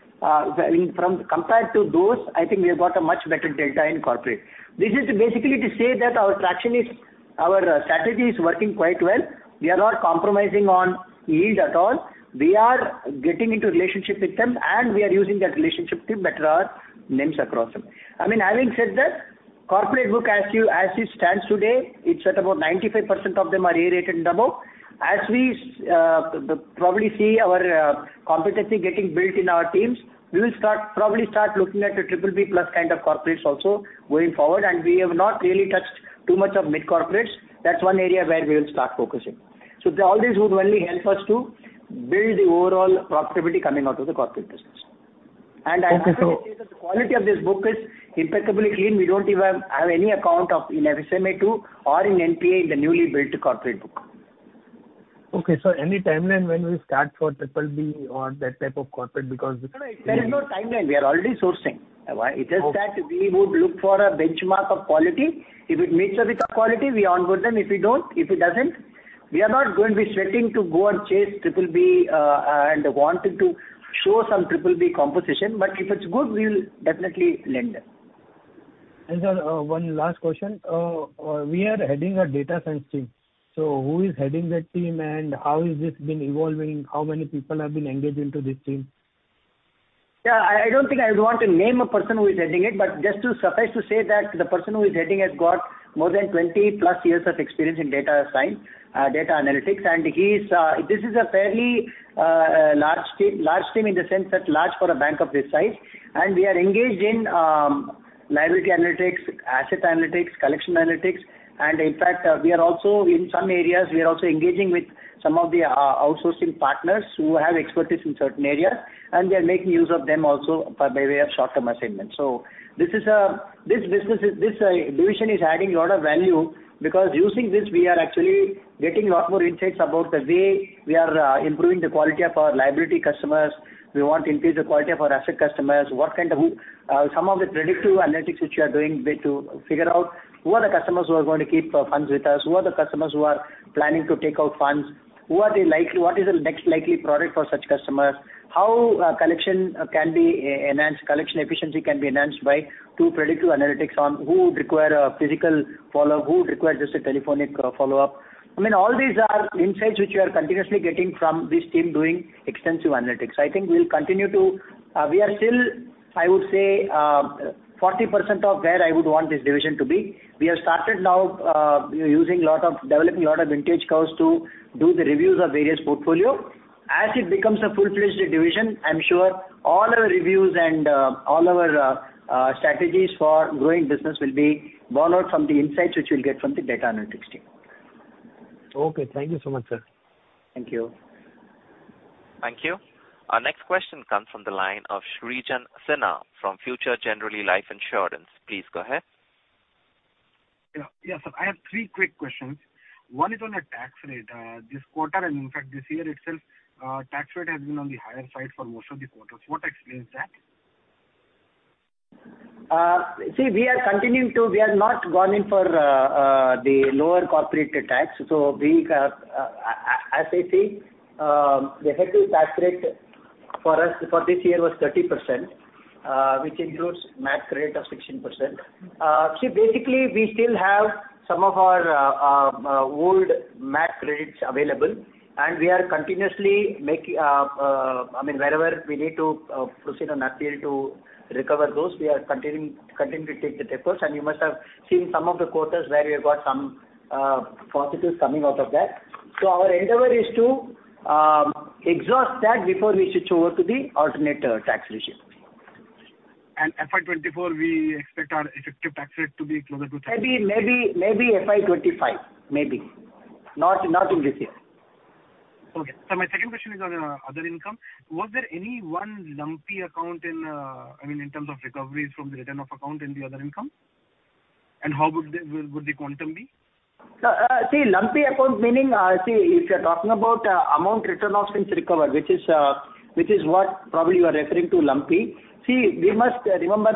in, from, compared to those, I think we have got a much better delta in corporate. This is basically to say that our traction is, our strategy is working quite well. We are not compromising on yield at all. We are getting into relationship with them, and we are using that relationship to better our NIMs across them. I mean, having said that, corporate book, as you, as it stands today, it's at about 95% of them are A-rated and above. As we probably see our competency getting built in our teams, we will start, probably start looking at a BBB+ kind of corporates also going forward, and we have not really touched too much of mid-corporates. That's one area where we will start focusing. So all these would only help us to build the overall profitability coming out of the corporate business. Okay, so- I'm happy to say that the quality of this book is impeccably clean. We don't even have any account of in SMA-2 or in NPA in the newly built corporate book. Okay, so any timeline when we start for BBB or that type of corporate, because No, no, there is no timeline. We are already sourcing. It's just that we would look for a benchmark of quality. If it meets with our quality, we onboard them. If we don't, if it doesn't, we are not going to be sweating to go and chase BBB, and wanting to show some BBB composition, but if it's good, we will definitely lend them. Sir, one last question. We are adding a data science team. So who is heading that team, and how is this been evolving? How many people have been engaged into this team? Yeah, I don't think I would want to name a person who is heading it, but just to suffice to say that the person who is heading has got more than 20+ years of experience in data science, data analytics. And he is, this is a fairly, large team, large team in the sense that large for a bank of this size. And we are engaged in, liability analytics, asset analytics, collection analytics, and in fact, we are also, in some areas, we are also engaging with some of the, outsourcing partners who have expertise in certain areas, and we are making use of them also by way of short-term assignments. So this is this business is, this division is adding a lot of value because using this, we are actually getting a lot more insights about the way we are improving the quality of our liability customers. We want to increase the quality of our asset customers. What kind of some of the predictive analytics which we are doing to figure out who are the customers who are going to keep funds with us, who are the customers who are planning to take out funds, who are they likely what is the next likely product for such customers? How collection can be enhanced, collection efficiency can be enhanced by two predictive analytics on who would require a physical follow-up, who would require just a telephonic follow-up. I mean, all these are insights which we are continuously getting from this team doing extensive analytics. I think we'll continue to... We are still, I would say, 40% of where I would want this division to be. We have started now, using lot of, developing a lot of vintage curves to do the reviews of various portfolio. As it becomes a full-fledged division, I'm sure all our reviews and, all our, strategies for growing business will be borrowed from the insights which we'll get from the data analytics team. Okay, thank you so much, sir. Thank you. Thank you. Our next question comes from the line of Srijan Sinha from Future Generali Life Insurance. Please go ahead. Yeah, yeah, sir, I have three quick questions. One is on the tax rate. This quarter, and in fact this year itself, tax rate has been on the higher side for most of the quarters. What explains that? See, we are continuing to, we have not gone in for the lower corporate tax. So we, as I say, the effective tax rate for us for this year was 30%, which includes MAT credit of 16%. See, basically, we still have some of our old MAT credits available, and we are continuously make, I mean, wherever we need to proceed on appeal to recover those. We are continuing to take the efforts, and you must have seen some of the quarters where we have got some positives coming out of that. So our endeavor is to exhaust that before we switch over to the alternate tax regime. FY 2024, we expect our effective tax rate to be closer to 10%? Maybe FY 2025, maybe. Not in this year. Okay. So my second question is on other income. Was there any one lumpy account in, I mean, in terms of recoveries from the written-off account in the other income? And how would the quantum be? No, see, lumpy account, meaning, see, if you're talking about amount return of things recovered, which is what probably you are referring to lumpy. See, we must remember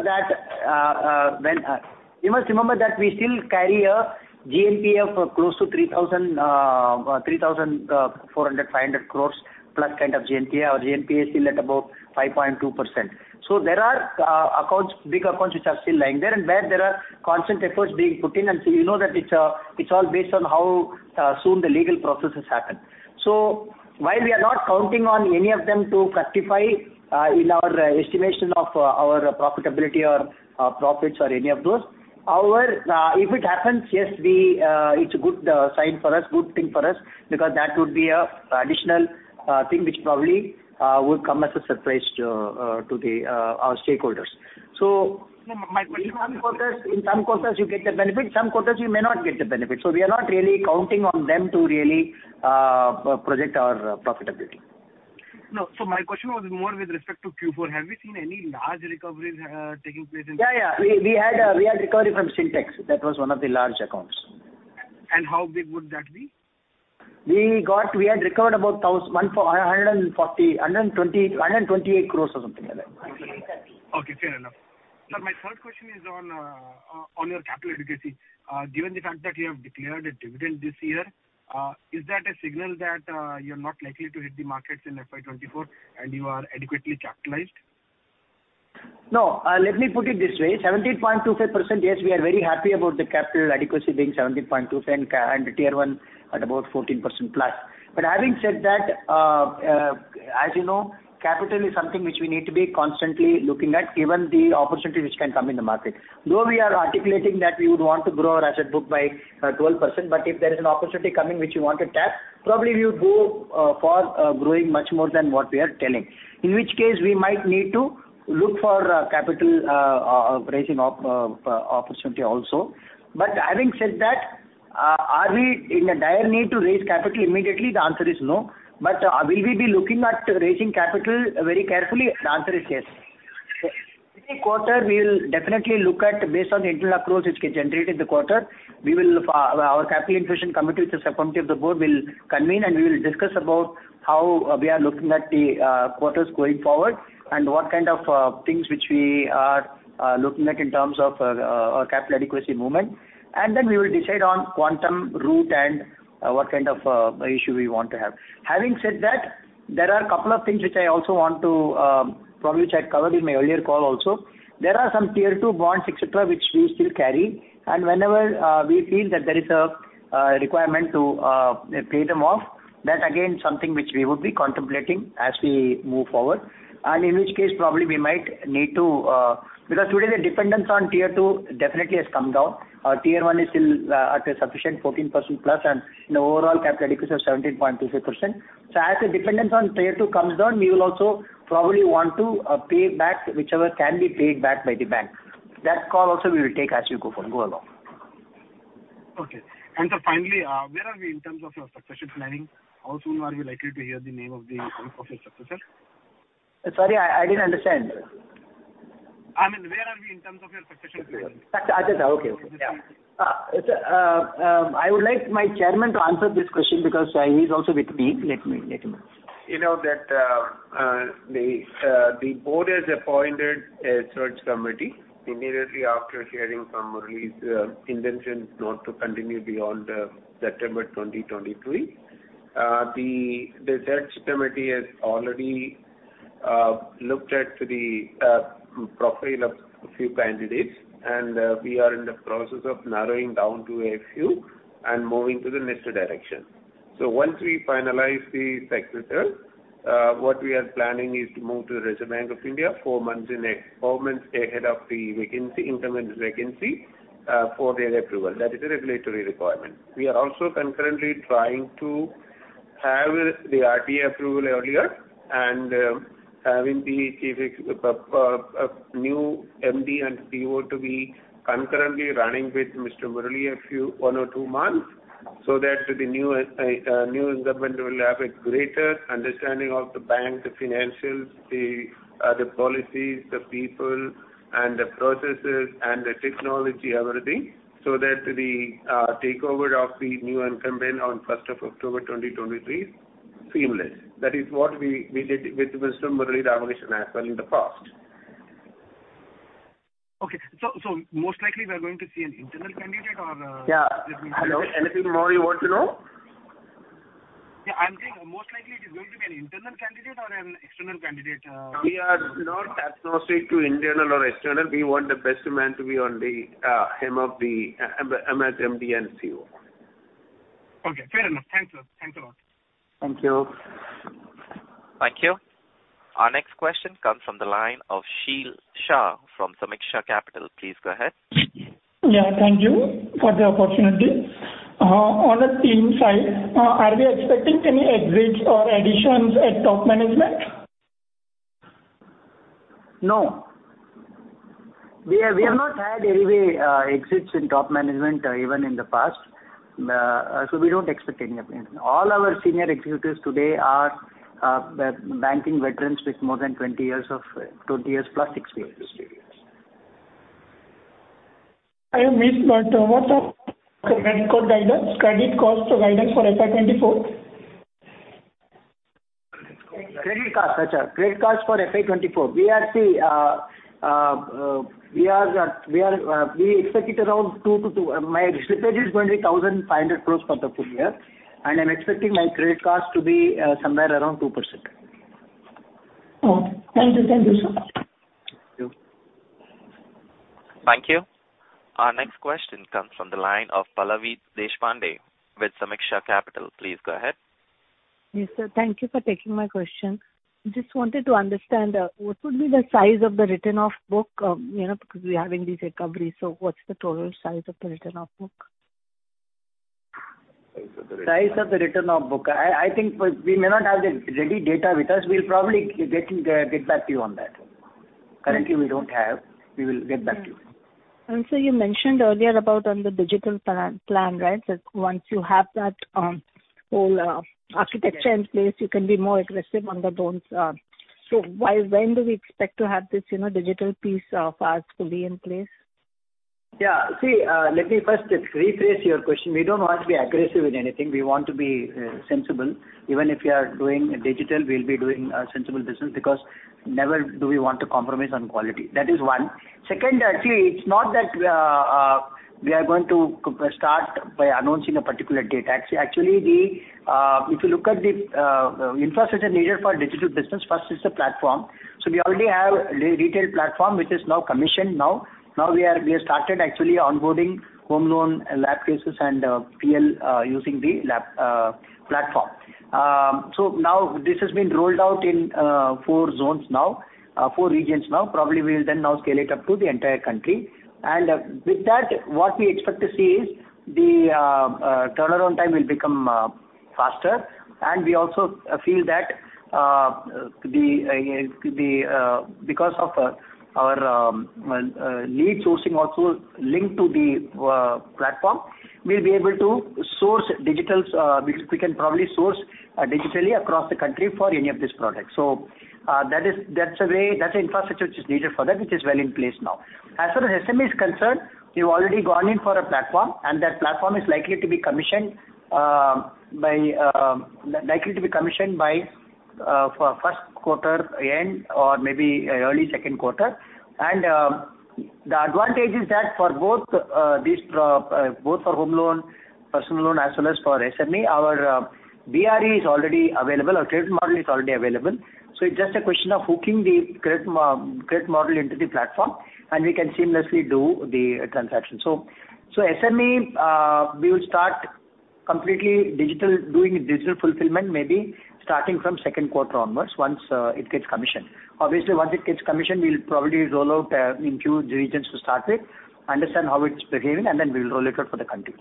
that we still carry a GNPA of close to 3,400- 3,500 crores plus kind of GNPA. Our GNPA is still at about 5.2%. So there are accounts, big accounts which are still lying there, and where there are constant efforts being put in, and so you know that it's all based on how soon the legal processes happen. While we are not counting on any of them to justify in our estimation of our profitability or profits or any of those, however, if it happens, yes, it's a good sign for us, good thing for us, because that would be a additional thing which probably would come as a surprise to our stakeholders. So my question- In some quarters, in some quarters, you get the benefit, some quarters you may not get the benefit. So we are not really counting on them to really, project our profitability. No. So my question was more with respect to Q4. Have we seen any large recoveries, taking place in- Yeah, yeah. We had recovery from Sintex. That was one of the large accounts. How big would that be? We got—we had recovered about 1,140 crore, 120 crore, 128 crore or something like that. Okay, fair enough. Sir, my third question is on your capital adequacy. Given the fact that you have declared a dividend this year, is that a signal that you're not likely to hit the markets in FY 2024, and you are adequately capitalized? No, let me put it this way. 17.25%, yes, we are very happy about the capital adequacy being 17.25%, and Tier One at about 14%+. But having said that, as you know, capital is something which we need to be constantly looking at, given the opportunity which can come in the market. Though we are articulating that we would want to grow our asset book by 12%, but if there is an opportunity coming which you want to tap, probably we would go for growing much more than what we are telling. In which case, we might need to look for capital raising opportunity also. But having said that, are we in a dire need to raise capital immediately? The answer is no. But, will we be looking at raising capital very carefully? The answer is yes. Every quarter, we will definitely look at, based on the internal approach which we generate in the quarter, we will, our capital infusion committee, which is a subcommittee of the board, will convene and we will discuss about how we are looking at the, quarters going forward and what kind of, things which we are, looking at in terms of, our capital adequacy movement. And then we will decide on quantum, route, and, what kind of, issue we want to have. Having said that, there are a couple of things which I also want to, probably which I covered in my earlier call also. There are some Tier-II bonds, et cetera, which we still carry, and whenever we feel that there is a requirement to pay them off, that again, something which we would be contemplating as we move forward. And in which case, probably we might need to... Because today the dependence on Tier-II definitely has come down. Our Tier-I is still at a sufficient 14% plus, and the overall capital adequacy is 17.25%. So as the dependence on Tier-II comes down, we will also probably want to pay back whichever can be paid back by the bank. That call also we will take as we go along. Okay. And sir, finally, where are we in terms of your succession planning? How soon are we likely to hear the name of your successor? Sorry, I didn't understand. I mean, where are we in terms of your succession planning? Okay, okay. Yeah. I would like my chairman to answer this question because he's also with me. Let me, let me. You know that the board has appointed a search committee immediately after hearing from Murali's intentions not to continue beyond September 2023. The search committee has already looked at the profile of a few candidates, and we are in the process of narrowing down to a few and moving to the next direction. So once we finalize the successor, what we are planning is to move to the Reserve Bank of India four months ahead of the vacancy, interim vacancy, for their approval. That is a regulatory requirement. We are also concurrently trying to have the RTA approval earlier and having a new MD and CEO to be concurrently running with Mr. Murali, a few, one or two months, so that the new, new incumbent will have a greater understanding of the bank, the financials, the, the policies, the people, and the processes and the technology, everything, so that the, takeover of the new incumbent on first of October 2023 is seamless. That is what we, we did with Mr. Murali Ramakrishnan as well in the past. Okay. So, most likely we are going to see an internal candidate or, Yeah. Hello, anything more you want to know? Yeah, I'm saying most likely it is going to be an internal candidate or an external candidate? We are not agnostic to internal or external. We want the best man to be on the helm of the as MD and CEO. Okay, fair enough. Thanks a lot. Thank you. Thank you. Our next question comes from the line of Sheil Shah from Sameeksha Capital. Please go ahead. Yeah, thank you for the opportunity. On the team side, are we expecting any exits or additions at top management? No. We have, we have not had any exits in top management, even in the past. So we don't expect any of them. All our senior executives today are banking veterans with more than 20 years of 20 years plus experience. I missed, but what are the credit card guidance, credit cost guidance for FY 24? Credit card, got you. Credit cards for FY 2024. We expect it around 2-2. My exposure is going to be 1,500 crore for the full year, and I'm expecting my credit cards to be somewhere around 2%. Oh, thank you. Thank you, sir. Thank you. Thank you. Our next question comes from the line of Pallavi Deshpande, with Sameeksha Capital. Please go ahead. Yes, sir. Thank you for taking my question. Just wanted to understand what would be the size of the written-off book, you know, because we're having these recoveries, so what's the total size of the written-off book? Size of the written-off book. I think we may not have the ready data with us. We'll probably get back to you on that. Currently, we don't have. We will get back to you. So you mentioned earlier about on the digital plan, right? That once you have that whole architecture in place, you can be more aggressive on the loans. So why, when do we expect to have this, you know, digital piece of ours fully in place? Yeah. See, let me first rephrase your question. We don't want to be aggressive in anything. We want to be sensible. Even if we are doing digital, we'll be doing sensible business because never do we want to compromise on quality. That is one. Second, actually, it's not that we are going to start by announcing a particular date. Actually, actually, the, if you look at the, infrastructure needed for digital business, first it's a platform. So we already have retail platform, which is now commissioned now. Now we have started actually onboarding home loan, LAP cases and PL using the LAP platform. So now this has been rolled out in four zones now, four regions now. Probably we will then now scale it up to the entire country. With that, what we expect to see is the turnaround time will become faster. We also feel that the because of our lead sourcing also linked to the platform, we'll be able to source digitals because we can probably source digitally across the country for any of these products. That is, that's a way, that's the infrastructure which is needed for that, which is well in place now. As far as SME is concerned, we've already gone in for a platform, and that platform is likely to be commissioned by first quarter end or maybe early second quarter. The advantage is that for both, both for home loan, personal loan, as well as for SME, our BRE is already available, our credit model is already available. So it's just a question of hooking the credit model into the platform, and we can seamlessly do the transaction. So, so SME, we will start completely digital, doing digital fulfillment, maybe starting from second quarter onwards, once it gets commissioned. Obviously, once it gets commissioned, we'll probably roll out in few regions to start with, understand how it's behaving, and then we will roll it out for the country.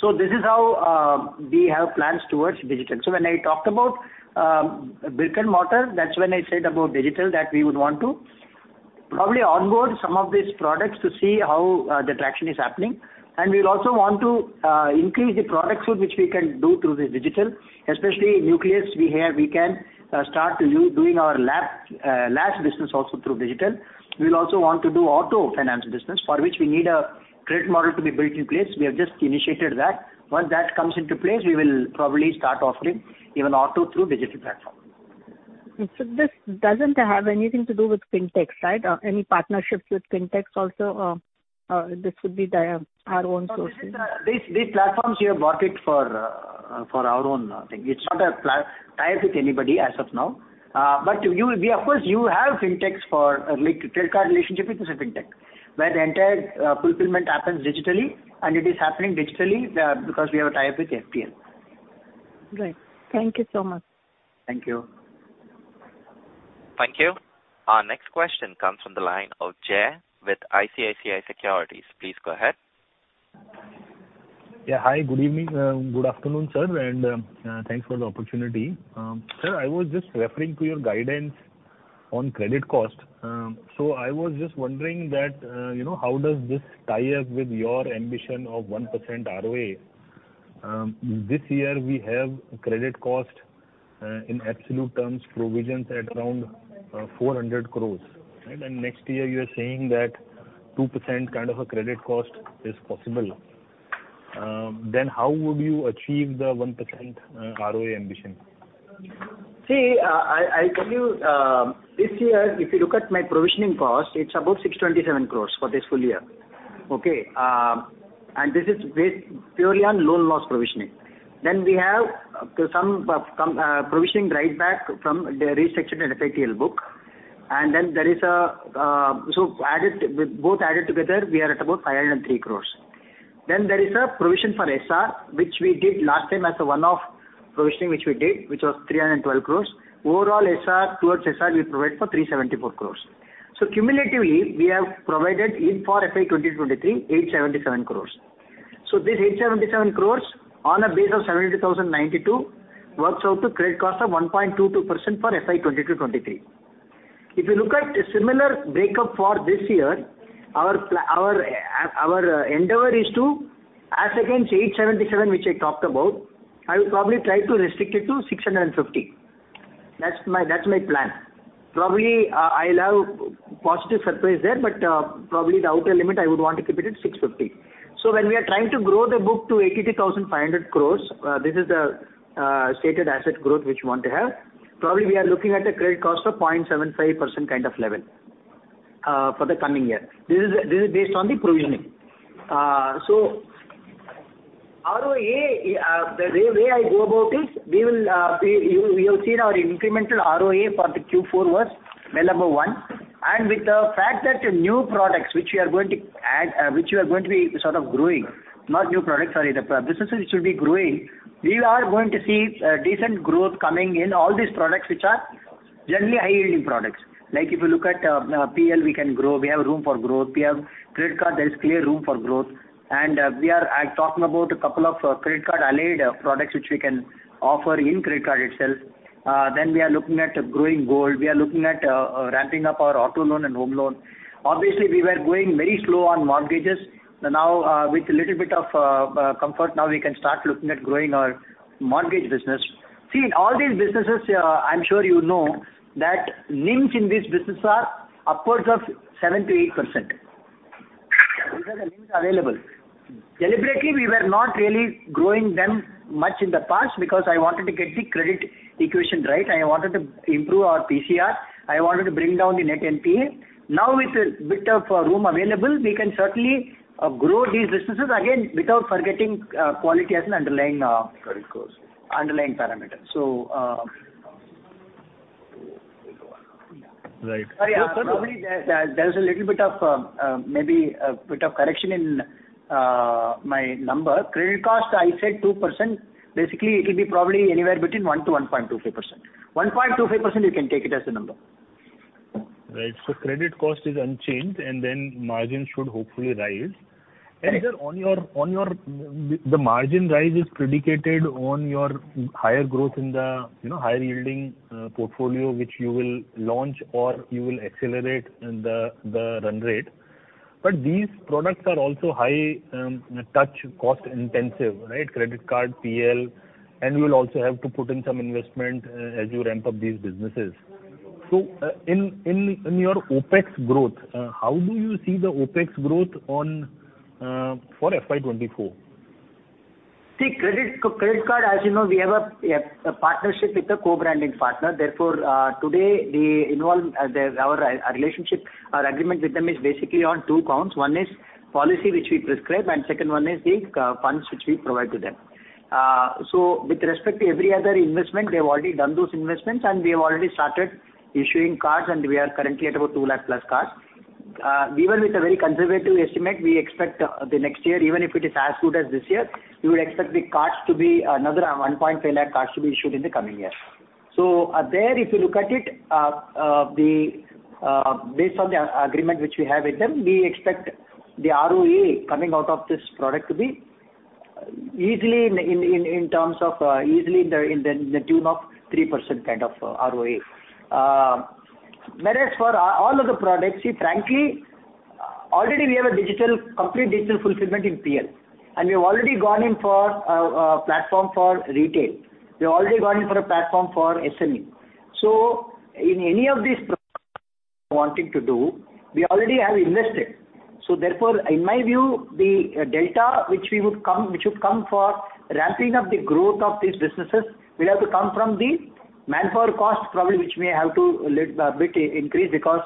So this is how we have plans towards digital. So when I talked about brick and mortar, that's when I said about digital, that we would want to probably onboard some of these products to see how the traction is happening. And we will also want to increase the product suite which we can do through the digital, especially Nucleus. We have, we can start doing our LAP, LAPs business also through digital. We will also want to do auto finance business, for which we need a credit model to be built in place. We have just initiated that. Once that comes into place, we will probably start offering even auto through digital platform. This doesn't have anything to do with FinTech, right? Any partnerships with FinTech also, this would be our own sources. These, these platforms, we have bought it for, for our own thing. It's not a pla- tie up with anybody as of now. But you will be, of course, you have FinTech for, like, credit card relationship with the FinTech, where the entire fulfillment happens digitally, and it is happening digitally, because we have a tie-up with FPL. Great. Thank you so much. Thank you. Thank you. Our next question comes from the line of Jai with ICICI Securities. Please go ahead. Yeah, hi, good evening, good afternoon, sir, and, thanks for the opportunity. Sir, I was just referring to your guidance on credit cost. So I was just wondering that, you know, how does this tie up with your ambition of 1% ROA? This year we have credit cost, in absolute terms, provisions at around, four hundred crores. And then next year, you are saying that 2% kind of a credit cost is possible. Then how would you achieve the 1%, ROA ambition? See, I tell you, this year, if you look at my provisioning cost, it's about 627 crore for this full year, okay? And this is based purely on loan loss provisioning. Then we have some provisioning write-back from the restructured and FITL book. And then there is a so added, with both added together, we are at about 503 crore. Then there is a provision for SR, which we did last time as a one-off provisioning, which we did, which was 312 crore. Overall, SR, towards SR, we provide for 374 crore. So cumulatively, we have provided in FY 2023, 877 crore. So this 877 crore on a base of 72,092 crore, works out to credit cost of 1.22% for FY 2022-23. If you look at a similar breakup for this year, our endeavor is to, as against 877, which I talked about, I will probably try to restrict it to 650. That's my plan. Probably, I'll have positive surprise there, but, probably the outer limit, I would want to keep it at 650. So when we are trying to grow the book to 83,500 crore, this is the stated asset growth which we want to have. Probably, we are looking at a credit cost of 0.75% kind of level, for the coming year. This is based on the provisioning. So ROA, the way I go about is, we will, you have seen our incremental ROA for the Q4 was well above one. And with the fact that new products which we are going to add, which we are going to be sort of growing, not new products, sorry, the businesses which will be growing, we are going to see a decent growth coming in all these products, which are generally high-yielding products. Like, if you look at, PL, we can grow, we have room for growth. We have credit card, there is clear room for growth. And, we are talking about a couple of credit card allied products, which we can offer in credit card itself. Then we are looking at growing gold. We are looking at ramping up our auto loan and home loan. Obviously, we were going very slow on mortgages. Now, with a little bit of comfort, now we can start looking at growing our mortgage business. See, in all these businesses, I'm sure you know that NIMs in this business are upwards of 7%-8%. These are the NIMs available. Deliberately, we were not really growing them much in the past because I wanted to get the credit equation right. I wanted to improve our PCR. I wanted to bring down the net NPA. Now, with a bit of room available, we can certainly grow these businesses again without forgetting quality as an underlying, Credit cost. Underlying parameter. So... Right. Sorry, yeah, probably there, there's a little bit of, maybe a bit of correction in, my number. Credit cost, I said 2%. Basically, it will be probably anywhere between 1%-1.25%, you can take it as a number. Right. So credit cost is unchanged, and then margin should hopefully rise. Right. And sir, on your the margin rise is predicated on your higher growth in the, you know, higher yielding portfolio, which you will launch or you will accelerate the run rate. But these products are also high touch, cost-intensive, right? Credit card, PL, and you will also have to put in some investment as you ramp up these businesses. So in your OpEx growth, how do you see the OpEx growth on for FY 2024? See, credit card, as you know, we have a partnership with a co-branding partner. Therefore, today, the involvement, our relationship, our agreement with them is basically on two counts. One is policy, which we prescribe, and second one is the funds which we provide to them. So with respect to every other investment, they have already done those investments, and we have already started issuing cards, and we are currently at about 200,000+ cards. Even with a very conservative estimate, we expect the next year, even if it is as good as this year, we would expect the cards to be another 150,000 cards to be issued in the coming year. So, if you look at it, based on the agreement which we have with them, we expect the ROE coming out of this product to be easily in terms of easily in the tune of 3% kind of ROA. Whereas for all of the products, see, frankly, already we have a digital, complete digital fulfillment in PL, and we have already gone in for a platform for retail. We have already gone in for a platform for SME. So in any of these wanting to do, we already have invested. So therefore, in my view, the delta, which we would come, which would come for ramping up the growth of these businesses, will have to come from the manpower cost, probably, which may have to lead to a bit increase, because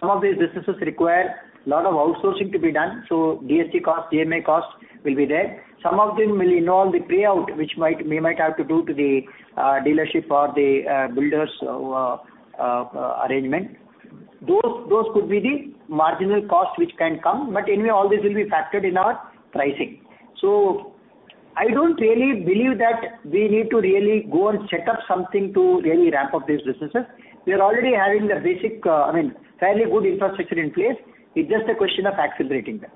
some of these businesses require a lot of outsourcing to be done. So DSA cost, DMA cost will be there. Some of them will involve the payout, which might, we might have to do to the dealership or the builders arrangement. Those could be the marginal costs which can come, but anyway, all this will be factored in our pricing. So I don't really believe that we need to really go and set up something to really ramp up these businesses. We are already having the basic, I mean, fairly good infrastructure in place. It's just a question of accelerating them.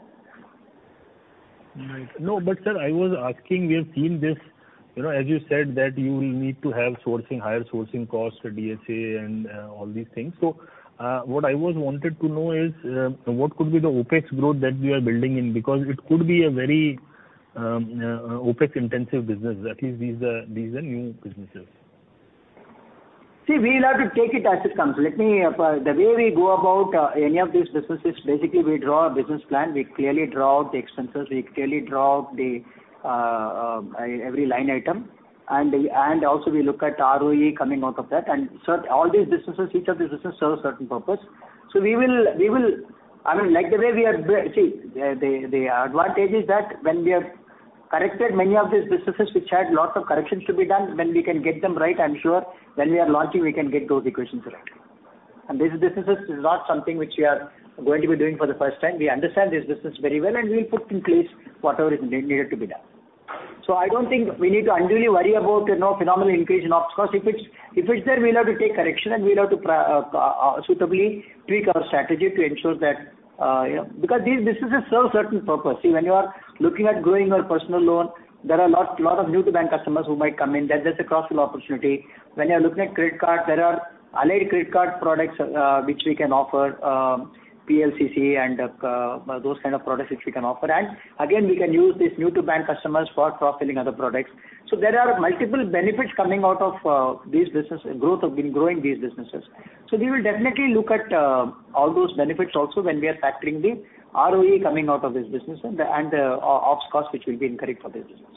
Right. No, but sir, I was asking, we have seen this, you know, as you said, that you will need to have sourcing, higher sourcing costs for DSA and all these things. So, what I was wanted to know is, what could be the OpEx growth that we are building in? Because it could be a very OpEx-intensive business, at least these are, these are new businesses. See, we will have to take it as it comes. Let me, the way we go about any of these businesses, basically, we draw a business plan, we clearly draw out the expenses, we clearly draw out the every line item, and also we look at ROE coming out of that. And so all these businesses, each of these businesses serve a certain purpose.... So we will, we will, I mean, like the way we are—see, the advantage is that when we have corrected many of these businesses which had lots of corrections to be done, when we can get them right, I'm sure when we are launching, we can get those equations right. And these businesses is not something which we are going to be doing for the first time. We understand this business very well, and we will put in place whatever is needed to be done. So I don't think we need to unduly worry about, you know, phenomenal increase in ops cost. If it's there, we'll have to take correction, and we'll have to suitably tweak our strategy to ensure that, you know... Because these businesses serve a certain purpose. See, when you are looking at growing your personal loan, there are lots of new-to-bank customers who might come in. That's a cross-sell opportunity. When you are looking at credit card, there are allied credit card products which we can offer, PLCC and those kind of products which we can offer. And again, we can use these new-to-bank customers for cross-selling other products. There are multiple benefits coming out of these business, growth of, in growing these businesses. We will definitely look at all those benefits also when we are factoring the ROE coming out of this business and the ops cost, which will be incurred for this business.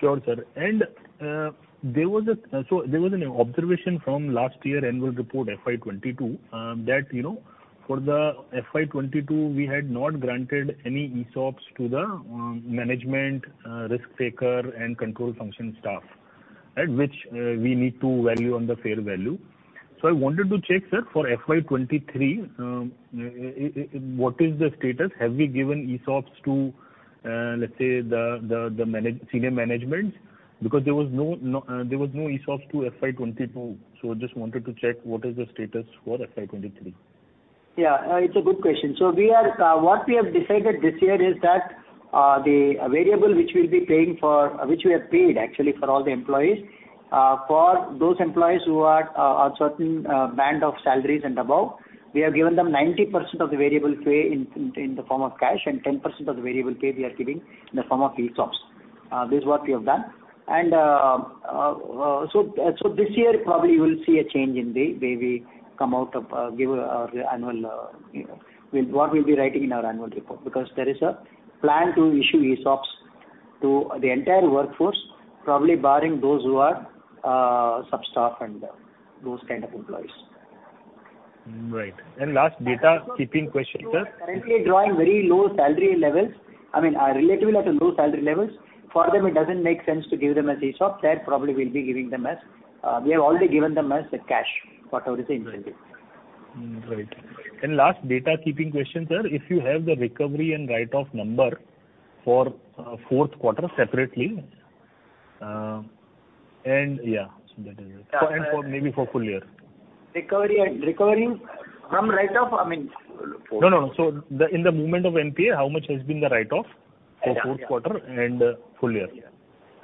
Sure, sir. And, there was a, so there was an observation from last year annual report FY 2022, that, you know, for the FY 2022, we had not granted any ESOPs to the, management, risk taker and control function staff, at which, we need to value on the fair value. So I wanted to check, sir, for FY 2023, what is the status? Have we given ESOPs to, let's say, the senior management? Because there was no ESOPs to FY 2022, so just wanted to check what is the status for FY 2023. Yeah, it's a good question. So we are, what we have decided this year is that, the variable which we'll be paying for, which we have paid, actually, for all the employees, for those employees who are, on certain band of salaries and above, we have given them 90% of the variable pay in the form of cash, and 10% of the variable pay we are giving in the form of ESOPs. This is what we have done. And, so this year, probably you will see a change in the way we come out of, give our annual, you know, we'll, what we'll be writing in our annual report. Because there is a plan to issue ESOPs to the entire workforce, probably barring those who are, sub-staff and those kind of employees. Right. And last data keeping question, sir- Currently drawing very low salary levels, I mean, relatively at a low salary levels, for them, it doesn't make sense to give them as ESOP. That probably we'll be giving them as, we have already given them as cash, whatever is the incentive. Right. Last housekeeping question, sir. If you have the recovery and write-off number for fourth quarter separately, and, yeah, so that is it. Yeah. And for maybe for full year. Recovery and recovery from write-off? I mean, fourth- No, no, no. So the, in the movement of NPA, how much has been the write-off- Yeah, yeah. for fourth quarter and full year?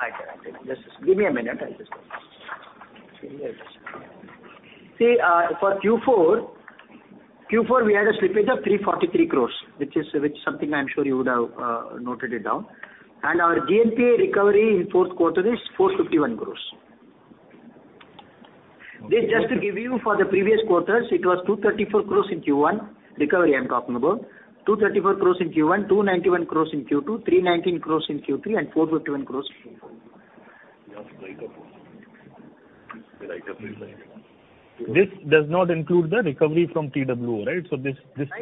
I can, I can. Just give me a minute, I'll just... See, for Q4, Q4, we had a slippage of 343 crore, which is, which something I'm sure you would have noted it down. And our GNPA recovery in fourth quarter is 451 crore. Okay. This just to give you for the previous quarters, it was 234 crores in Q1, recovery, I'm talking about. 234 crores in Q1, 291 crores in Q2, 319 crores in Q3, and 451 crores in Q4. Write-off. The write-off is like... This does not include the recovery from PWO, right? So this, Just to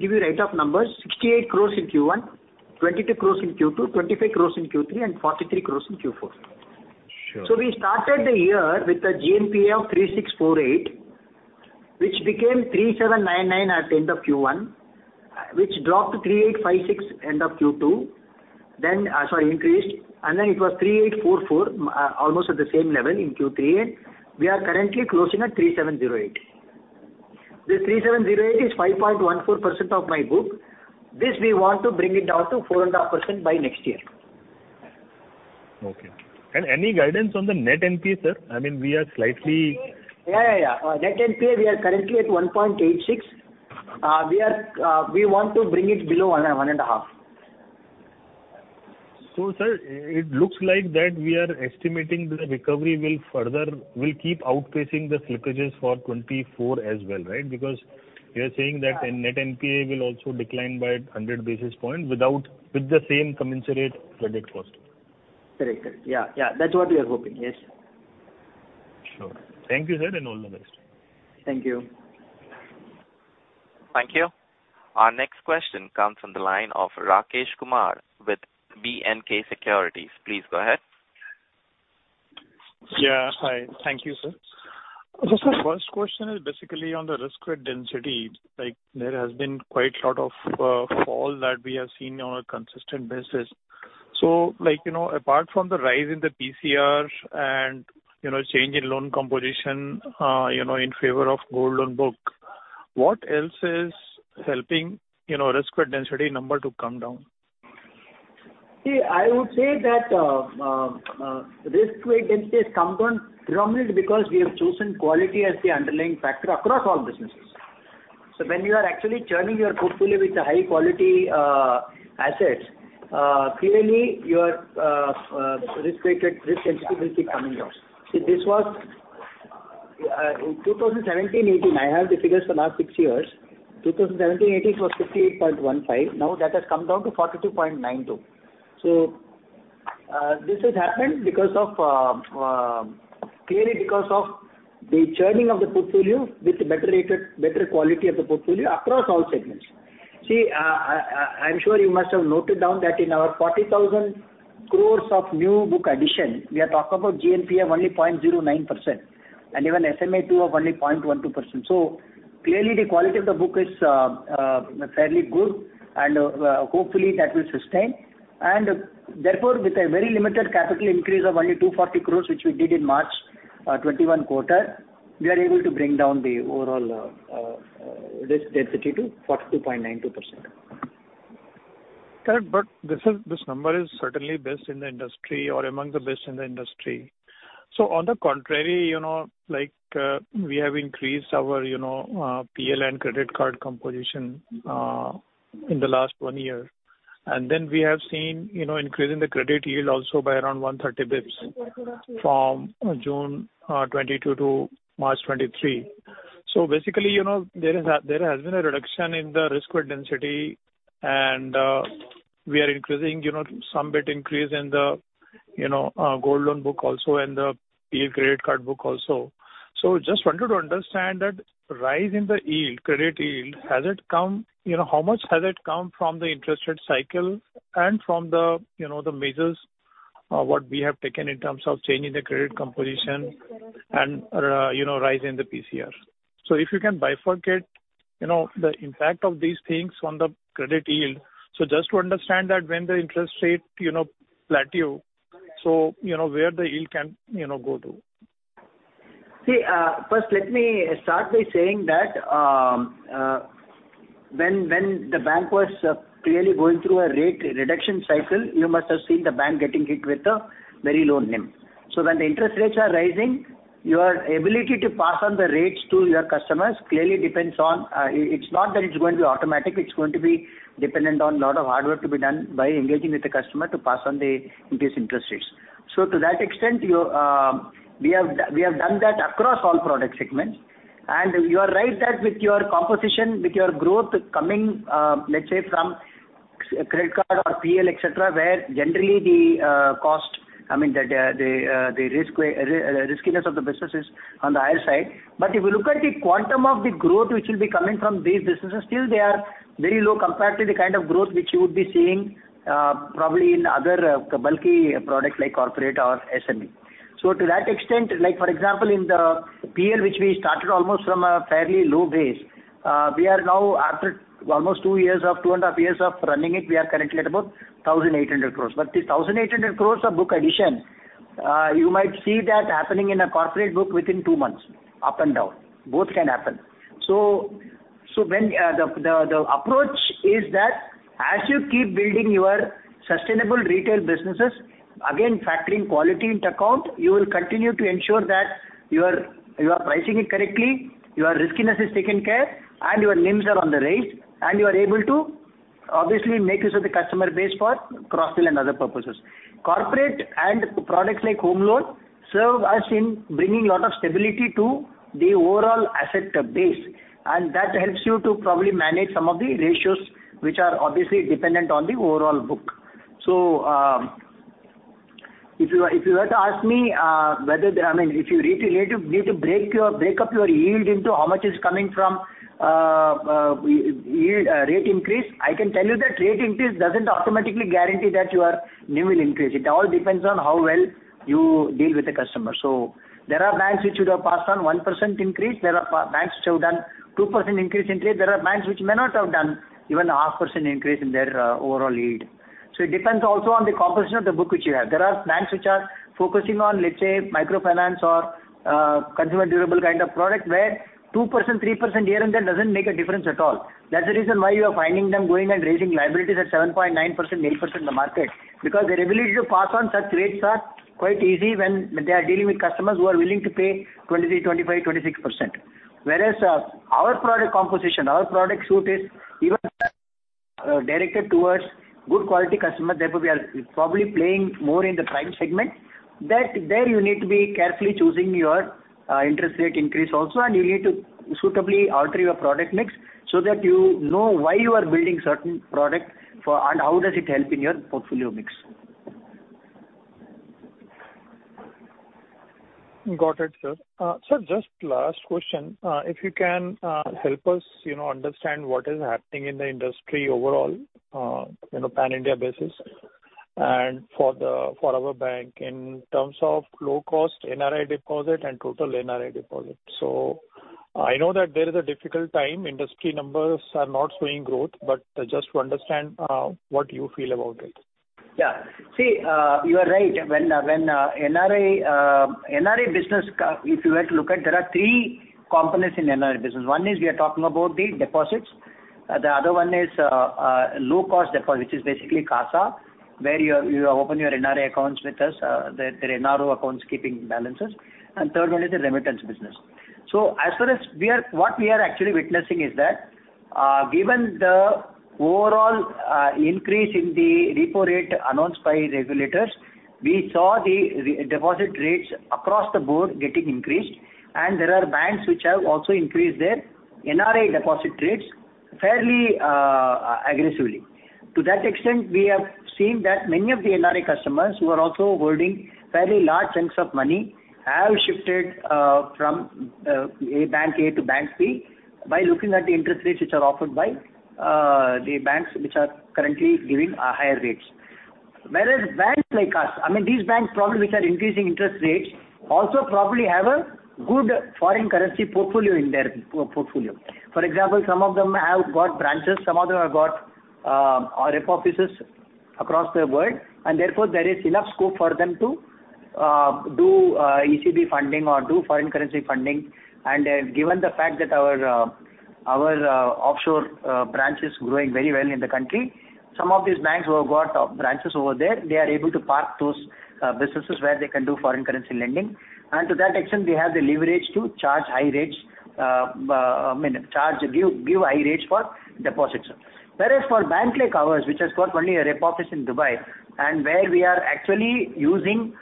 give you write-off numbers, 68 crore in Q1, 22 crore in Q2, 25 crore in Q3, and 43 crore in Q4. Sure. We started the year with a GNPA of 3,648, which became 3,799 at the end of Q1, which dropped to 3,856 end of Q2, sorry, increased, and then it was 3,844, almost at the same level in Q3. We are currently closing at 3,708. This 3,708 is 5.14% of my book. This, we want to bring it down to 4.5% by next year. Okay. And any guidance on the net NPA, sir? I mean, we are slightly- Yeah, yeah, yeah. Net NPA, we are currently at 1.86. We are, we want to bring it below 1, 1.5. So, sir, it looks like that we are estimating the recovery will further, will keep outpacing the slippages for 2024 as well, right? Because you are saying that- Yeah. Net NPA will also decline by 100 basis points with the same commensurate credit cost. Correct, sir. Yeah, yeah, that's what we are hoping. Yes. Sure. Thank you, sir, and all the best. Thank you. Thank you. Our next question comes from the line of Rakesh Kumar with B&K Securities. Please go ahead. Yeah. Hi, thank you, sir. Just my first question is basically on the risk weight density. Like, there has been quite a lot of fall that we have seen on a consistent basis. So, like, you know, apart from the rise in the PCR and, you know, change in loan composition, you know, in favor of gold loan book, what else is helping, you know, risk weight density number to come down? See, I would say that risk weight density has come down predominantly because we have chosen quality as the underlying factor across all businesses. So when you are actually churning your portfolio with the high-quality assets, clearly your risk-weighted risk density will be coming down. See, this was in 2017-18, I have the figures for last six years. 2017-18, it was 58.15%. Now, that has come down to 42.92%. This has happened because of, clearly because of the churning of the portfolio with better rated, better quality of the portfolio across all segments. See, I, I'm sure you must have noted down that in our 40,000 crore of new book addition, we are talking about GNPA only 0.09%, and even SMA-2 of only 0.12%. So clearly, the quality of the book is, fairly good, and, hopefully, that will sustain. And therefore, with a very limited capital increase of only 240 crore, which we did in March 2021 quarter, we are able to bring down the overall, risk density to 42.92%. Correct, but this is, this number is certainly best in the industry or among the best in the industry. So on the contrary, you know, like, we have increased our, you know, PL and credit card composition in the last one year. And then we have seen, you know, increase in the credit yield also by around 130 basis points from June 2022 to March 2023. So basically, you know, there is a, there has been a reduction in the risk-weight density, and we are increasing, you know, some bit increase in the, you know, gold loan book also and the PL credit card book also. So just wanted to understand that rise in the yield, credit yield, has it come... You know, how much has it come from the interest rate cycle and from the, you know, the measures, what we have taken in terms of changing the credit composition and, you know, rise in the PCR? So if you can bifurcate, you know, the impact of these things on the credit yield. So just to understand that when the interest rate, you know, plateau, so, you know, where the yield can, you know, go to. See, first, let me start by saying that, when the bank was clearly going through a rate reduction cycle, you must have seen the bank getting hit with a very low NIM. So when the interest rates are rising, your ability to pass on the rates to your customers clearly depends on, it's not that it's going to be automatic, it's going to be dependent on a lot of hard work to be done by engaging with the customer to pass on the increased interest rates. So to that extent, you, we have, we have done that across all product segments. You are right that with your composition, with your growth coming, let's say, from credit card or PL, et cetera, where generally the cost, I mean, the risk, riskiness of the business is on the higher side. But if you look at the quantum of the growth which will be coming from these businesses, still they are very low compared to the kind of growth which you would be seeing, probably in other bulky products like corporate or SME. So to that extent, like, for example, in the PL, which we started almost from a fairly low base, we are now, after almost 2 years of, 2.5 years of running it, we are currently at about 1,800 crore. The 1,800 crore of book addition, you might see that happening in a corporate book within two months, up and down, both can happen. So, when the approach is that as you keep building your sustainable retail businesses, again, factoring quality into account, you will continue to ensure that you are pricing it correctly, your riskiness is taken care, and your NIMs are on the rise, and you are able to obviously make use of the customer base for cross-sell and other purposes. Corporate and products like home loan serve us in bringing a lot of stability to the overall asset base, and that helps you to probably manage some of the ratios, which are obviously dependent on the overall book. If you were to ask me whether, I mean, if you need to break up your yield into how much is coming from yield rate increase, I can tell you that rate increase doesn't automatically guarantee that your NIM will increase. It all depends on how well you deal with the customer. There are banks which would have passed on 1% increase, there are banks which have done 2% increase in rate, there are banks which may not have done even 0.5% increase in their overall yield. So it depends also on the composition of the book which you have. There are banks which are focusing on, let's say, microfinance or, consumer durable kind of product, where 2%, 3% here and there doesn't make a difference at all. That's the reason why you are finding them going and raising liabilities at 7.9%, 8% in the market. Because their ability to pass on such rates are quite easy when they are dealing with customers who are willing to pay 23, 25, 26%. Whereas, our product composition, our product suite is even, directed towards good quality customers. Therefore, we are probably playing more in the prime segment, that there you need to be carefully choosing your, interest rate increase also, and you need to suitably alter your product mix so that you know why you are building certain product for, and how does it help in your portfolio mix. Got it, sir. Sir, just last question. If you can help us, you know, understand what is happening in the industry overall, in a pan-India basis, and for the, for our bank in terms of low-cost NRI deposit and total NRI deposit. So I know that there is a difficult time, industry numbers are not showing growth, but just to understand what you feel about it. Yeah. See, you are right. When NRI business, if you were to look at, there are three components in NRI business. One is we are talking about the deposits. The other one is low-cost deposit, which is basically CASA, where you open your NRI accounts with us, the NRO accounts keeping balances. And third one is the remittance business. So as far as what we are actually witnessing is that, given the overall increase in the repo rate announced by regulators, we saw the deposit rates across the board getting increased, and there are banks which have also increased their NRI deposit rates fairly aggressively. To that extent, we have seen that many of the NRE customers who are also holding fairly large chunks of money, have shifted from a bank A to bank B, by looking at the interest rates which are offered by the banks, which are currently giving higher rates. Whereas banks like us, I mean, these banks probably, which are increasing interest rates, also probably have a good foreign currency portfolio in their portfolio. For example, some of them have got branches, some of them have got our rep offices across the world, and therefore, there is enough scope for them to do ECB funding or do foreign currency funding. Given the fact that our offshore branch is growing very well in the country, some of these banks who have got branches over there, they are able to park those businesses where they can do foreign currency lending. And to that extent, they have the leverage to charge high rates, I mean, give high rates for deposits. Whereas for a bank like ours, which has got only a rep office in Dubai, and where we are actually using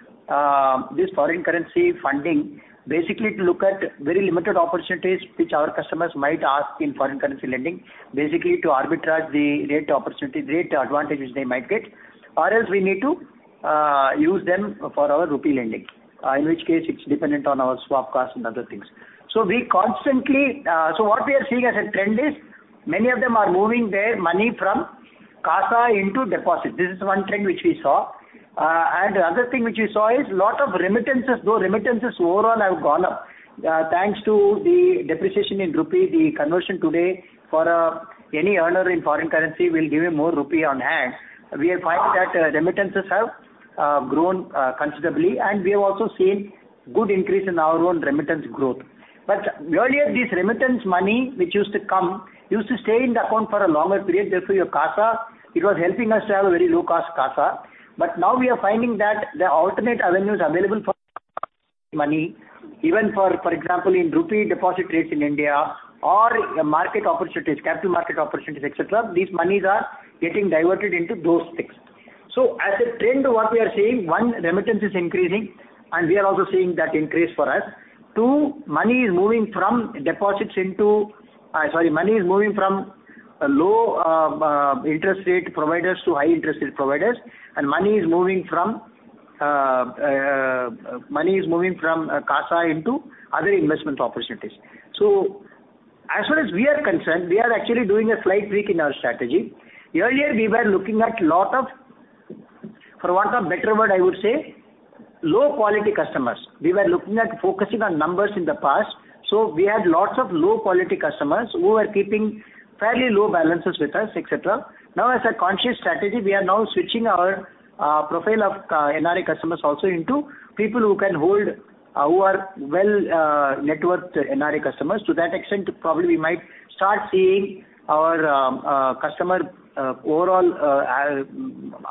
this foreign currency funding, basically to look at very limited opportunities which our customers might ask in foreign currency lending, basically to arbitrage the rate opportunity, rate advantages they might get, or else we need to use them for our rupee lending, in which case it's dependent on our swap costs and other things. So we constantly... What we are seeing as a trend is, many of them are moving their money from CASA into deposit. This is one trend which we saw. The other thing which we saw is, a lot of remittances, though remittances overall have gone up, thanks to the depreciation in rupee, the conversion today for, any earner in foreign currency will give you more rupee on hand. We are finding that remittances have grown considerably, and we have also seen good increase in our own remittance growth. But earlier, this remittance money which used to come, used to stay in the account for a longer period, therefore, your CASA, it was helping us to have a very low cost CASA. But now we are finding that there are alternate avenues available for money, even for example, in rupee deposit rates in India or the market opportunities, capital market opportunities, et cetera, these monies are getting diverted into those things. So as a trend, what we are seeing, one, remittance is increasing, and we are also seeing that increase for us. Two, money is moving from deposits into, sorry, money is moving from a low, interest rate providers to high interest rate providers, and money is moving from, money is moving from CASA into other investment opportunities. So as far as we are concerned, we are actually doing a slight tweak in our strategy. Earlier, we were looking at lot of, for want of a better word, I would say, low quality customers. We were looking at focusing on numbers in the past, so we had lots of low quality customers who were keeping fairly low balances with us, et cetera. Now, as a conscious strategy, we are now switching our profile of NRE customers also into people who can hold who are well net worth NRE customers. To that extent, probably we might start seeing our customer overall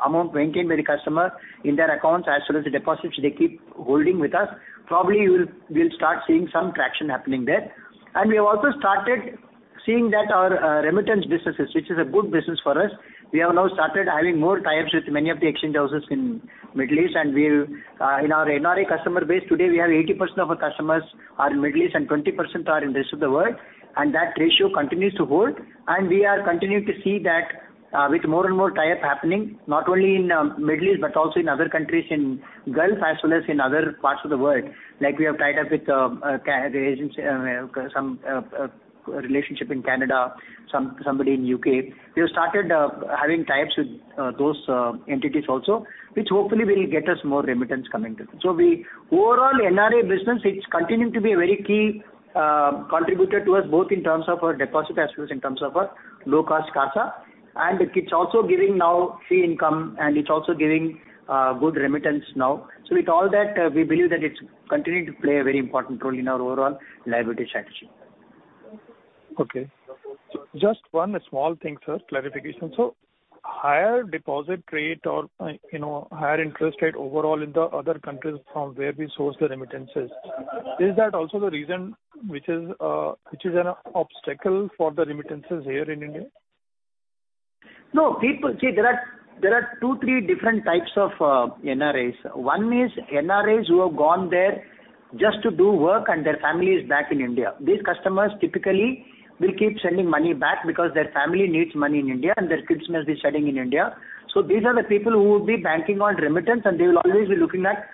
amount maintained by the customer in their accounts as well as the deposits they keep holding with us. Probably, we'll start seeing some traction happening there. We have also started seeing that our remittance businesses, which is a good business for us, we have now started having more tie-ups with many of the exchange houses in Middle East, and well in our NRE customer base, today, we have 80% of our customers are in Middle East, and 20% are in rest of the world, and that ratio continues to hold. We are continuing to see that, with more and more tie-up happening, not only in Middle East, but also in other countries in Gulf, as well as in other parts of the world. Like, we have tied up with some relationship in Canada, somebody in U.K. We have started having tie-ups with those entities also, which hopefully will get us more remittance coming to them. So we, overall, NRE business, it's continuing to be a very key contributor to us, both in terms of our deposit as well as in terms of our low-cost CASA. And it's also giving now fee income, and it's also giving good remittance now. So with all that, we believe that it's continuing to play a very important role in our overall liability strategy. Okay. Just one small thing, sir, clarification. So higher deposit rate or, you know, higher interest rate overall in the other countries from where we source the remittances, is that also the reason which is an obstacle for the remittances here in India? No, people. See, there are two, three different types of NREs. One is NREs who have gone there just to do work, and their family is back in India. These customers typically will keep sending money back because their family needs money in India, and their kids must be studying in India. So these are the people who will be banking on remittance, and they will always be looking at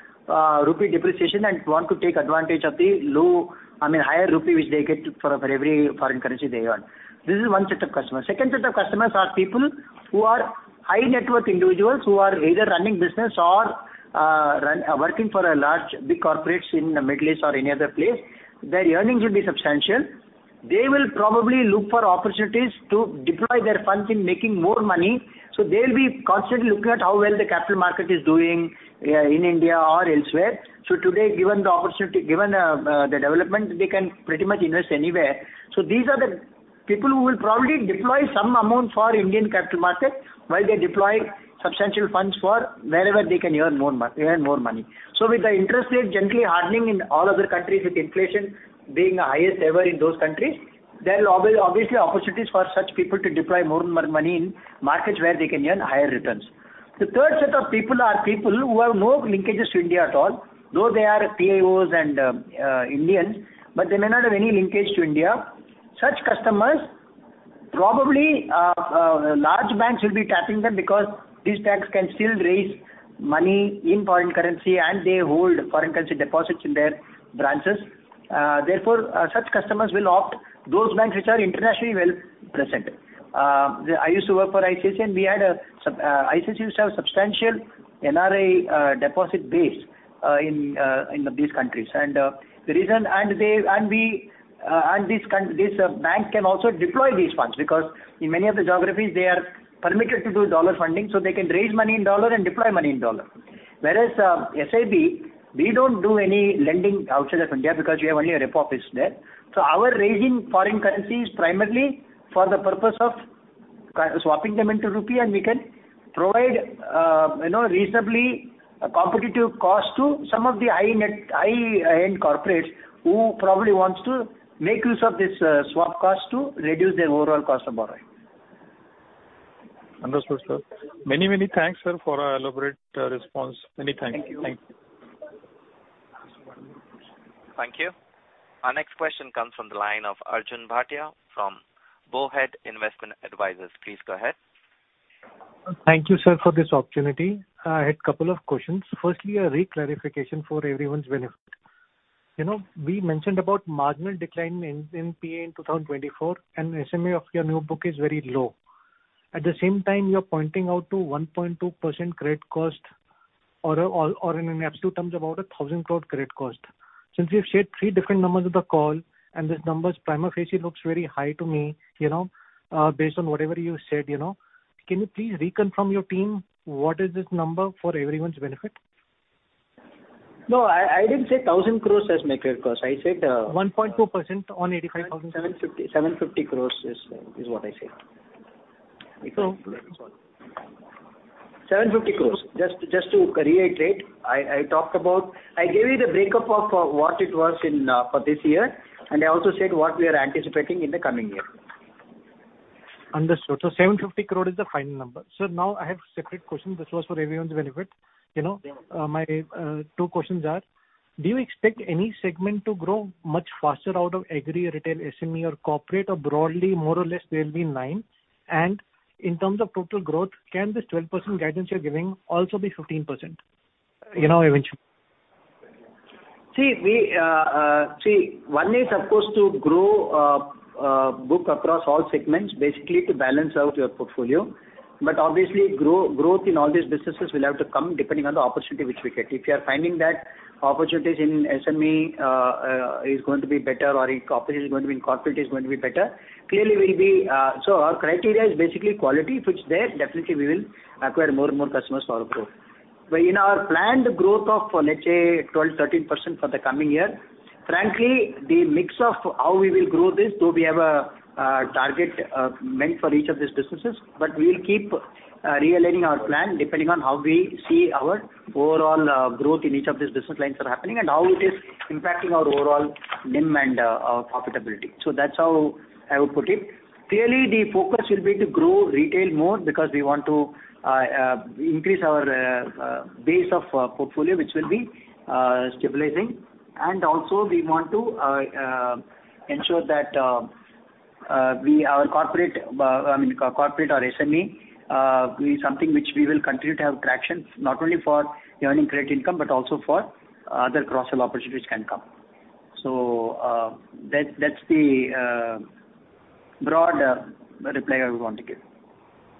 rupee depreciation and want to take advantage of the low, I mean, higher rupee, which they get for every foreign currency they earn. This is one set of customers. Second set of customers are people who are high net worth individuals, who are either running business or run, working for a large, big corporates in the Middle East or any other place. Their earnings will be substantial. They will probably look for opportunities to deploy their funds in making more money. So they'll be constantly looking at how well the capital market is doing in India or elsewhere. So today, given the opportunity, given the development, they can pretty much invest anywhere. So these are the people who will probably deploy some amount for Indian capital market while they deploy substantial funds for wherever they can earn more money. So with the interest rate generally hardening in all other countries, with inflation being the highest ever in those countries, there will obviously, obviously, opportunities for such people to deploy more and more money in markets where they can earn higher returns.... The third set of people are people who have no linkages to India at all, though they are PIOs and Indians, but they may not have any linkage to India. Such customers, probably, large banks will be tapping them because these banks can still raise money in foreign currency, and they hold foreign currency deposits in their branches. Therefore, such customers will opt those banks which are internationally well presented. I used to work for ICICI and we had ICICI used to have substantial NRI deposit base in these countries. And the reason and this bank can also deploy these funds, because in many of the geographies, they are permitted to do dollar funding, so they can raise money in dollar and deploy money in dollar. Whereas, SIB, we don't do any lending outside of India because we have only a rep office there. So our raising foreign currency is primarily for the purpose of swapping them into rupee, and we can provide, you know, reasonably a competitive cost to some of the high net, high-end corporates who probably wants to make use of this swap cost to reduce their overall cost of borrowing. Understood, sir. Many, many thanks, sir, for our elaborate response. Many thanks. Thank you. Thank you. Thank you. Our next question comes from the line of Arjun Bhatia from Bowhead Investment Advisors. Please go ahead. Thank you, sir, for this opportunity. I had a couple of questions. Firstly, a reclassification for everyone's benefit. You know, we mentioned about marginal decline in NPA in 2024, and SMA of your new book is very low. At the same time, you're pointing out to 1.2% credit cost or in absolute terms, about 1,000 crore credit cost. Since you've shared three different numbers of the call, and this numbers prima facie looks very high to me, you know, based on whatever you said, you know. Can you please reconfirm your team what is this number for everyone's benefit? No, I, I didn't say 1,000 crore as my credit cost. I said, 1.2% on 85,000. 750 crore, 750 crore is, is what I said. So- 750 crore. Just, just to reiterate, I talked about... I gave you the breakup of what it was in for this year, and I also said what we are anticipating in the coming year. Understood. So 750 crore is the final number. Now I have separate questions. This was for everyone's benefit, you know. Yeah. My 2 questions are: Do you expect any segment to grow much faster out of agri, retail, SME or corporate, or broadly, more or less, they'll be nine? And in terms of total growth, can this 12% guidance you're giving also be 15%, you know, eventually? See, we see one is supposed to grow book across all segments, basically to balance out your portfolio. But obviously, growth in all these businesses will have to come depending on the opportunity which we get. If you are finding that opportunities in SME is going to be better or opportunity is going to be in corporate is going to be better, clearly, we'll be. So our criteria is basically quality. If it's there, definitely we will acquire more and more customers for our growth. But in our planned growth of, let's say, 12%-13% for the coming year, frankly, the mix of how we will grow this, though we have a target meant for each of these businesses, but we will keep realigning our plan depending on how we see our overall growth in each of these business lines are happening and how it is impacting our overall NIM and our profitability. So that's how I would put it. Clearly, the focus will be to grow retail more because we want to increase our base of portfolio, which will be stabilizing. And also we want to ensure that we, our corporate, I mean, corporate or SME, be something which we will continue to have traction, not only for earning credit income, but also for other cross-sell opportunities can come. So, that's the broad reply I would want to give.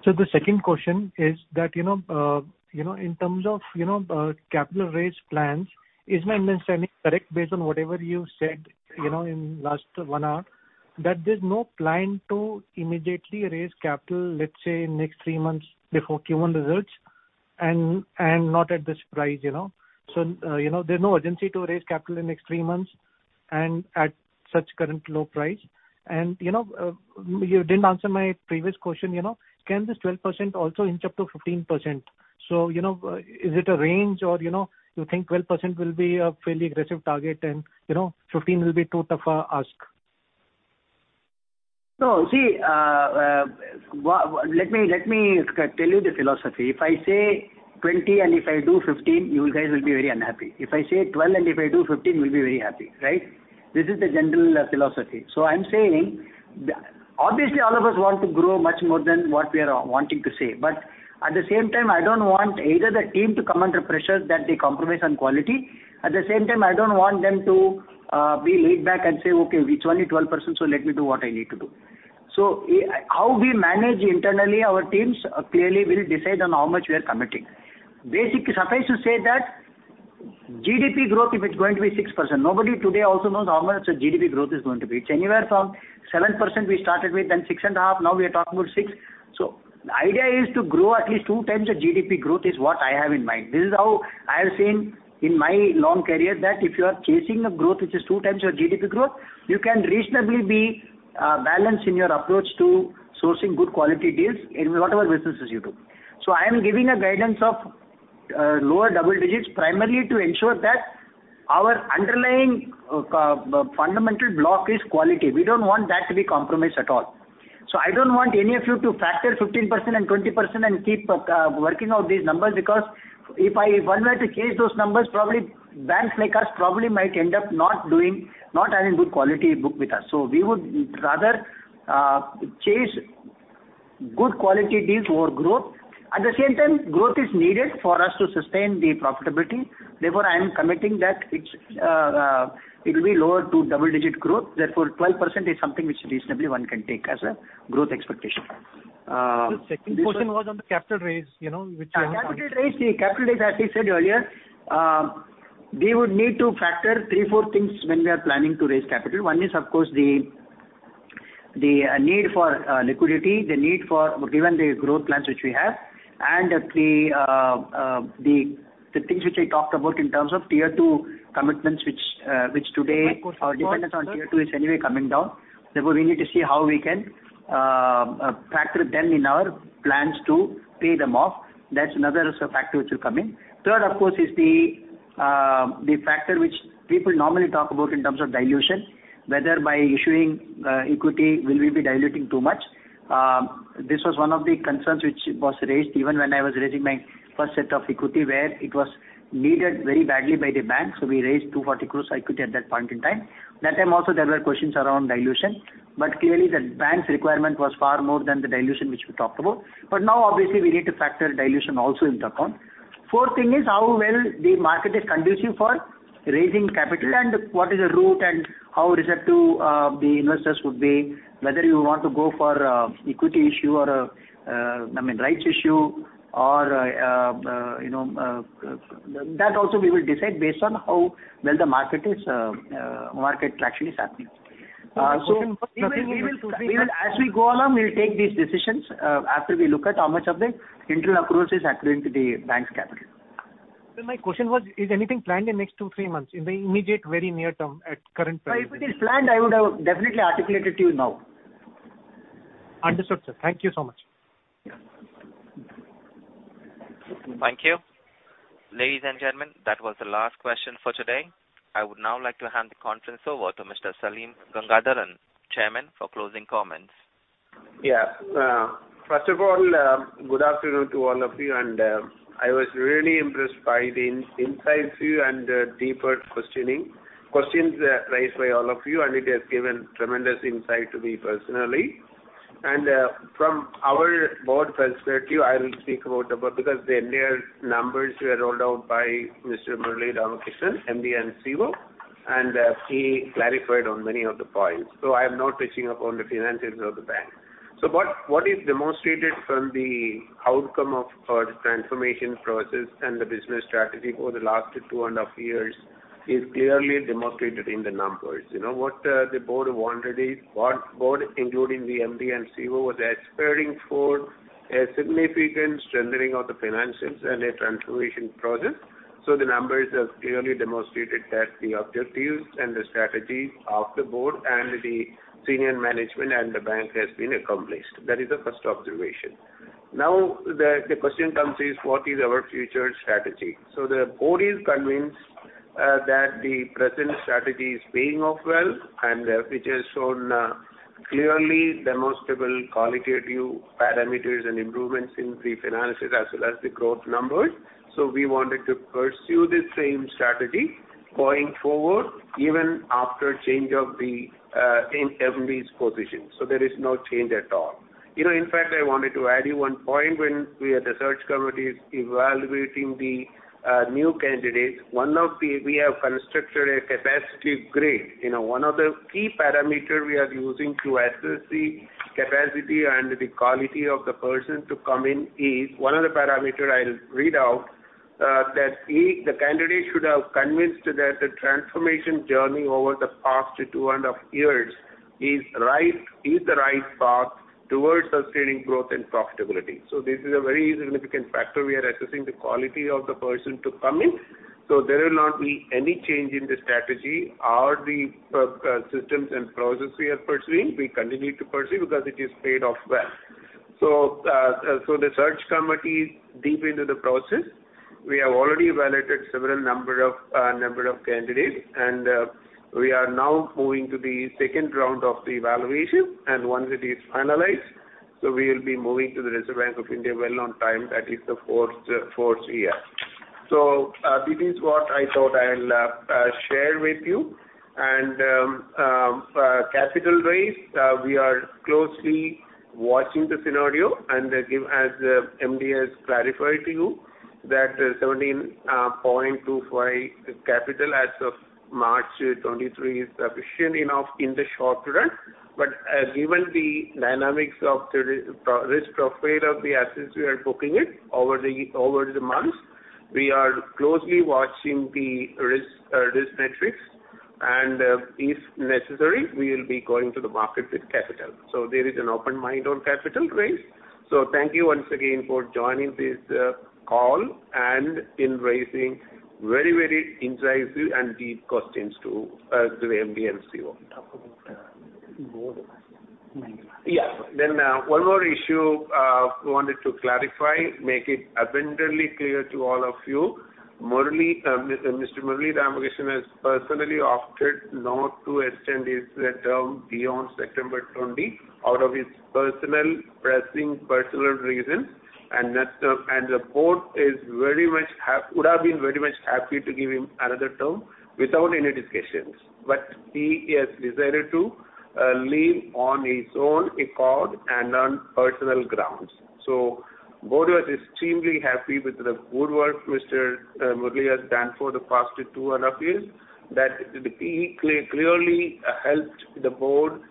So the second question is that, you know, you know, in terms of, you know, capital raise plans, is my understanding correct, based on whatever you said, you know, in last one hour, that there's no plan to immediately raise capital, let's say, in next three months before Q1 results, and, and not at this price, you know? So, you know, there's no urgency to raise capital in the next three months and at such current low price. And, you know, you didn't answer my previous question, you know, can this 12% also inch up to 15%? So, you know, is it a range or, you know, you think 12% will be a fairly aggressive target and, you know, 15% will be too tough a ask? No, see, let me, let me tell you the philosophy. If I say 20 and if I do 15, you guys will be very unhappy. If I say 12 and if I do 15, we'll be very happy, right? This is the general philosophy. So I'm saying, obviously, all of us want to grow much more than what we are wanting to say. But at the same time, I don't want either the team to come under pressure that they compromise on quality. At the same time, I don't want them to be laid back and say, "Okay, it's only 12%, so let me do what I need to do." So how we manage internally our teams, clearly will decide on how much we are committing. Basically, suffice to say that GDP growth, if it's going to be 6%, nobody today also knows how much the GDP growth is going to be. It's anywhere from 7% we started with, then 6.5%, now we are talking about 6%. So the idea is to grow at least 2x the GDP growth is what I have in mind. This is how I have seen in my long career that if you are chasing a growth which is 2x your GDP growth, you can reasonably be balanced in your approach to sourcing good quality deals in whatever businesses you do. So I am giving a guidance of lower double digits, primarily to ensure that our underlying fundamental block is quality. We don't want that to be compromised at all. So I don't want any of you to factor 15% and 20% and keep working out these numbers, because if I, if one were to change those numbers, probably banks like us probably might end up not doing, not having good quality book with us. So we would rather chase good quality deals over growth. At the same time, growth is needed for us to sustain the profitability. Therefore, I am committing that it's it will be lower to double-digit growth. Therefore, 12% is something which reasonably one can take as a growth expectation. The second question was on the capital raise, you know, which- Yeah, capital raise. The capital raise, as I said earlier, we would need to factor 3, 4 things when we are planning to raise capital. 1 is, of course, the need for liquidity, the need for given the growth plans which we have, and the things which I talked about in terms of Tier 2 commitments, which today our dependence on Tier 2 is anyway coming down. Therefore, we need to see how we can factor them in our plans to pay them off. That's another factor which will come in. 3rd, of course, is the factor which people normally talk about in terms of dilution, whether by issuing equity, will we be diluting too much? This was one of the concerns which was raised even when I was raising my first set of equity, where it was needed very badly by the bank. So we raised 240 crore equity at that point in time. That time also, there were questions around dilution, but clearly, the bank's requirement was far more than the dilution which we talked about. But now, obviously, we need to factor dilution also into account. Fourth thing is how well the market is conducive for raising capital and what is the route and how receptive, the investors would be, whether you want to go for, equity issue or, I mean, rights issue or, you know, that also we will decide based on how well the market is, market traction is happening. So nothing will- As we go along, we'll take these decisions, after we look at how much of the internal accruals is accruing to the bank's capital. My question was, is anything planned in next 2-3 months, in the immediate, very near term at current price? If it is planned, I would have definitely articulated to you now. Understood, sir. Thank you so much. Thank you. Ladies and gentlemen, that was the last question for today. I would now like to hand the conference over to Mr. Salim Gangadharan, Chairman, for closing comments. Yeah. First of all, good afternoon to all of you, and I was really impressed by the questions raised by all of you, and it has given tremendous insight to me personally. From our board perspective, I will speak about because the annual numbers were rolled out by Mr. Murali Ramakrishnan, MD and CEO, and he clarified on many of the points. So I am not touching upon the financials of the bank. So what, what is demonstrated from the outcome of our transformation process and the business strategy for the last two and a half years is clearly demonstrated in the numbers. You know, what the board wanted is, what the board, including the MD and CEO, was aspiring for a significant strengthening of the financials and a transformation process. So the numbers have clearly demonstrated that the objectives and the strategy of the board and the senior management and the bank has been accomplished. That is the first observation. Now, the question comes is: What is our future strategy? So the board is convinced that the present strategy is paying off well and which has shown clearly demonstrable qualitative parameters and improvements in the finances as well as the growth numbers. So we wanted to pursue the same strategy going forward, even after change of the in MD's position. So there is no change at all. You know, in fact, I wanted to add you one point when we are the search committee evaluating the new candidates. One of the... We have constructed a capacity grid You know, one of the key parameter we are using to assess the capacity and the quality of the person to come in is, one of the parameter I'll read out, that he, the candidate, should have convinced that the transformation journey over the past 2.5 years is right, is the right path towards sustaining growth and profitability. So this is a very significant factor. We are assessing the quality of the person to come in. So there will not be any change in the strategy or the systems and processes we are pursuing. We continue to pursue because it is paid off well. So the search committee is deep into the process. We have already evaluated several number of, number of candidates, and we are now moving to the second round of the evaluation, and once it is finalized, so we will be moving to the Reserve Bank of India well on time. That is the fourth year. So, this is what I thought I'll share with you. And capital raise, we are closely watching the scenario and give, as the MD has clarified to you, that 17.25 capital as of March 2023 is sufficient enough in the short run. But as given the dynamics of the risk profile of the assets, we are booking it over the months. We are closely watching the risk metrics, and if necessary, we will be going to the market with capital. So there is an open mind on capital raise. So thank you once again for joining this call and in raising very, very incisive and deep questions to the MD & CEO. Yes. Then one more issue we wanted to clarify, make it abundantly clear to all of you. Murali, Mr. Murali Ramakrishnan, has personally offered not to extend his term beyond September 20, out of his personal, pressing personal reasons, and that, and the board is very much would have been very much happy to give him another term without any discussions. But he has decided to leave on his own accord and on personal grounds. So board was extremely happy with the good work Mr. Murali has done for the past two and a half years, that he clearly helped the board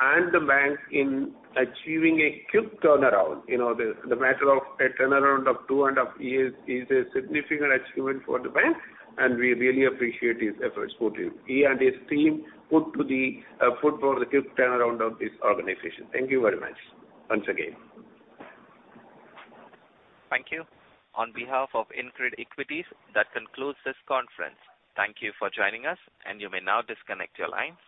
and the bank in achieving a quick turnaround. You know, the matter of a turnaround of 2.5 years is a significant achievement for the bank, and we really appreciate his efforts for it. He and his team put to the foot for the quick turnaround of this organization. Thank you very much once again. Thank you. On behalf of InCred Equities, that concludes this conference. Thank you for joining us, and you may now disconnect your line.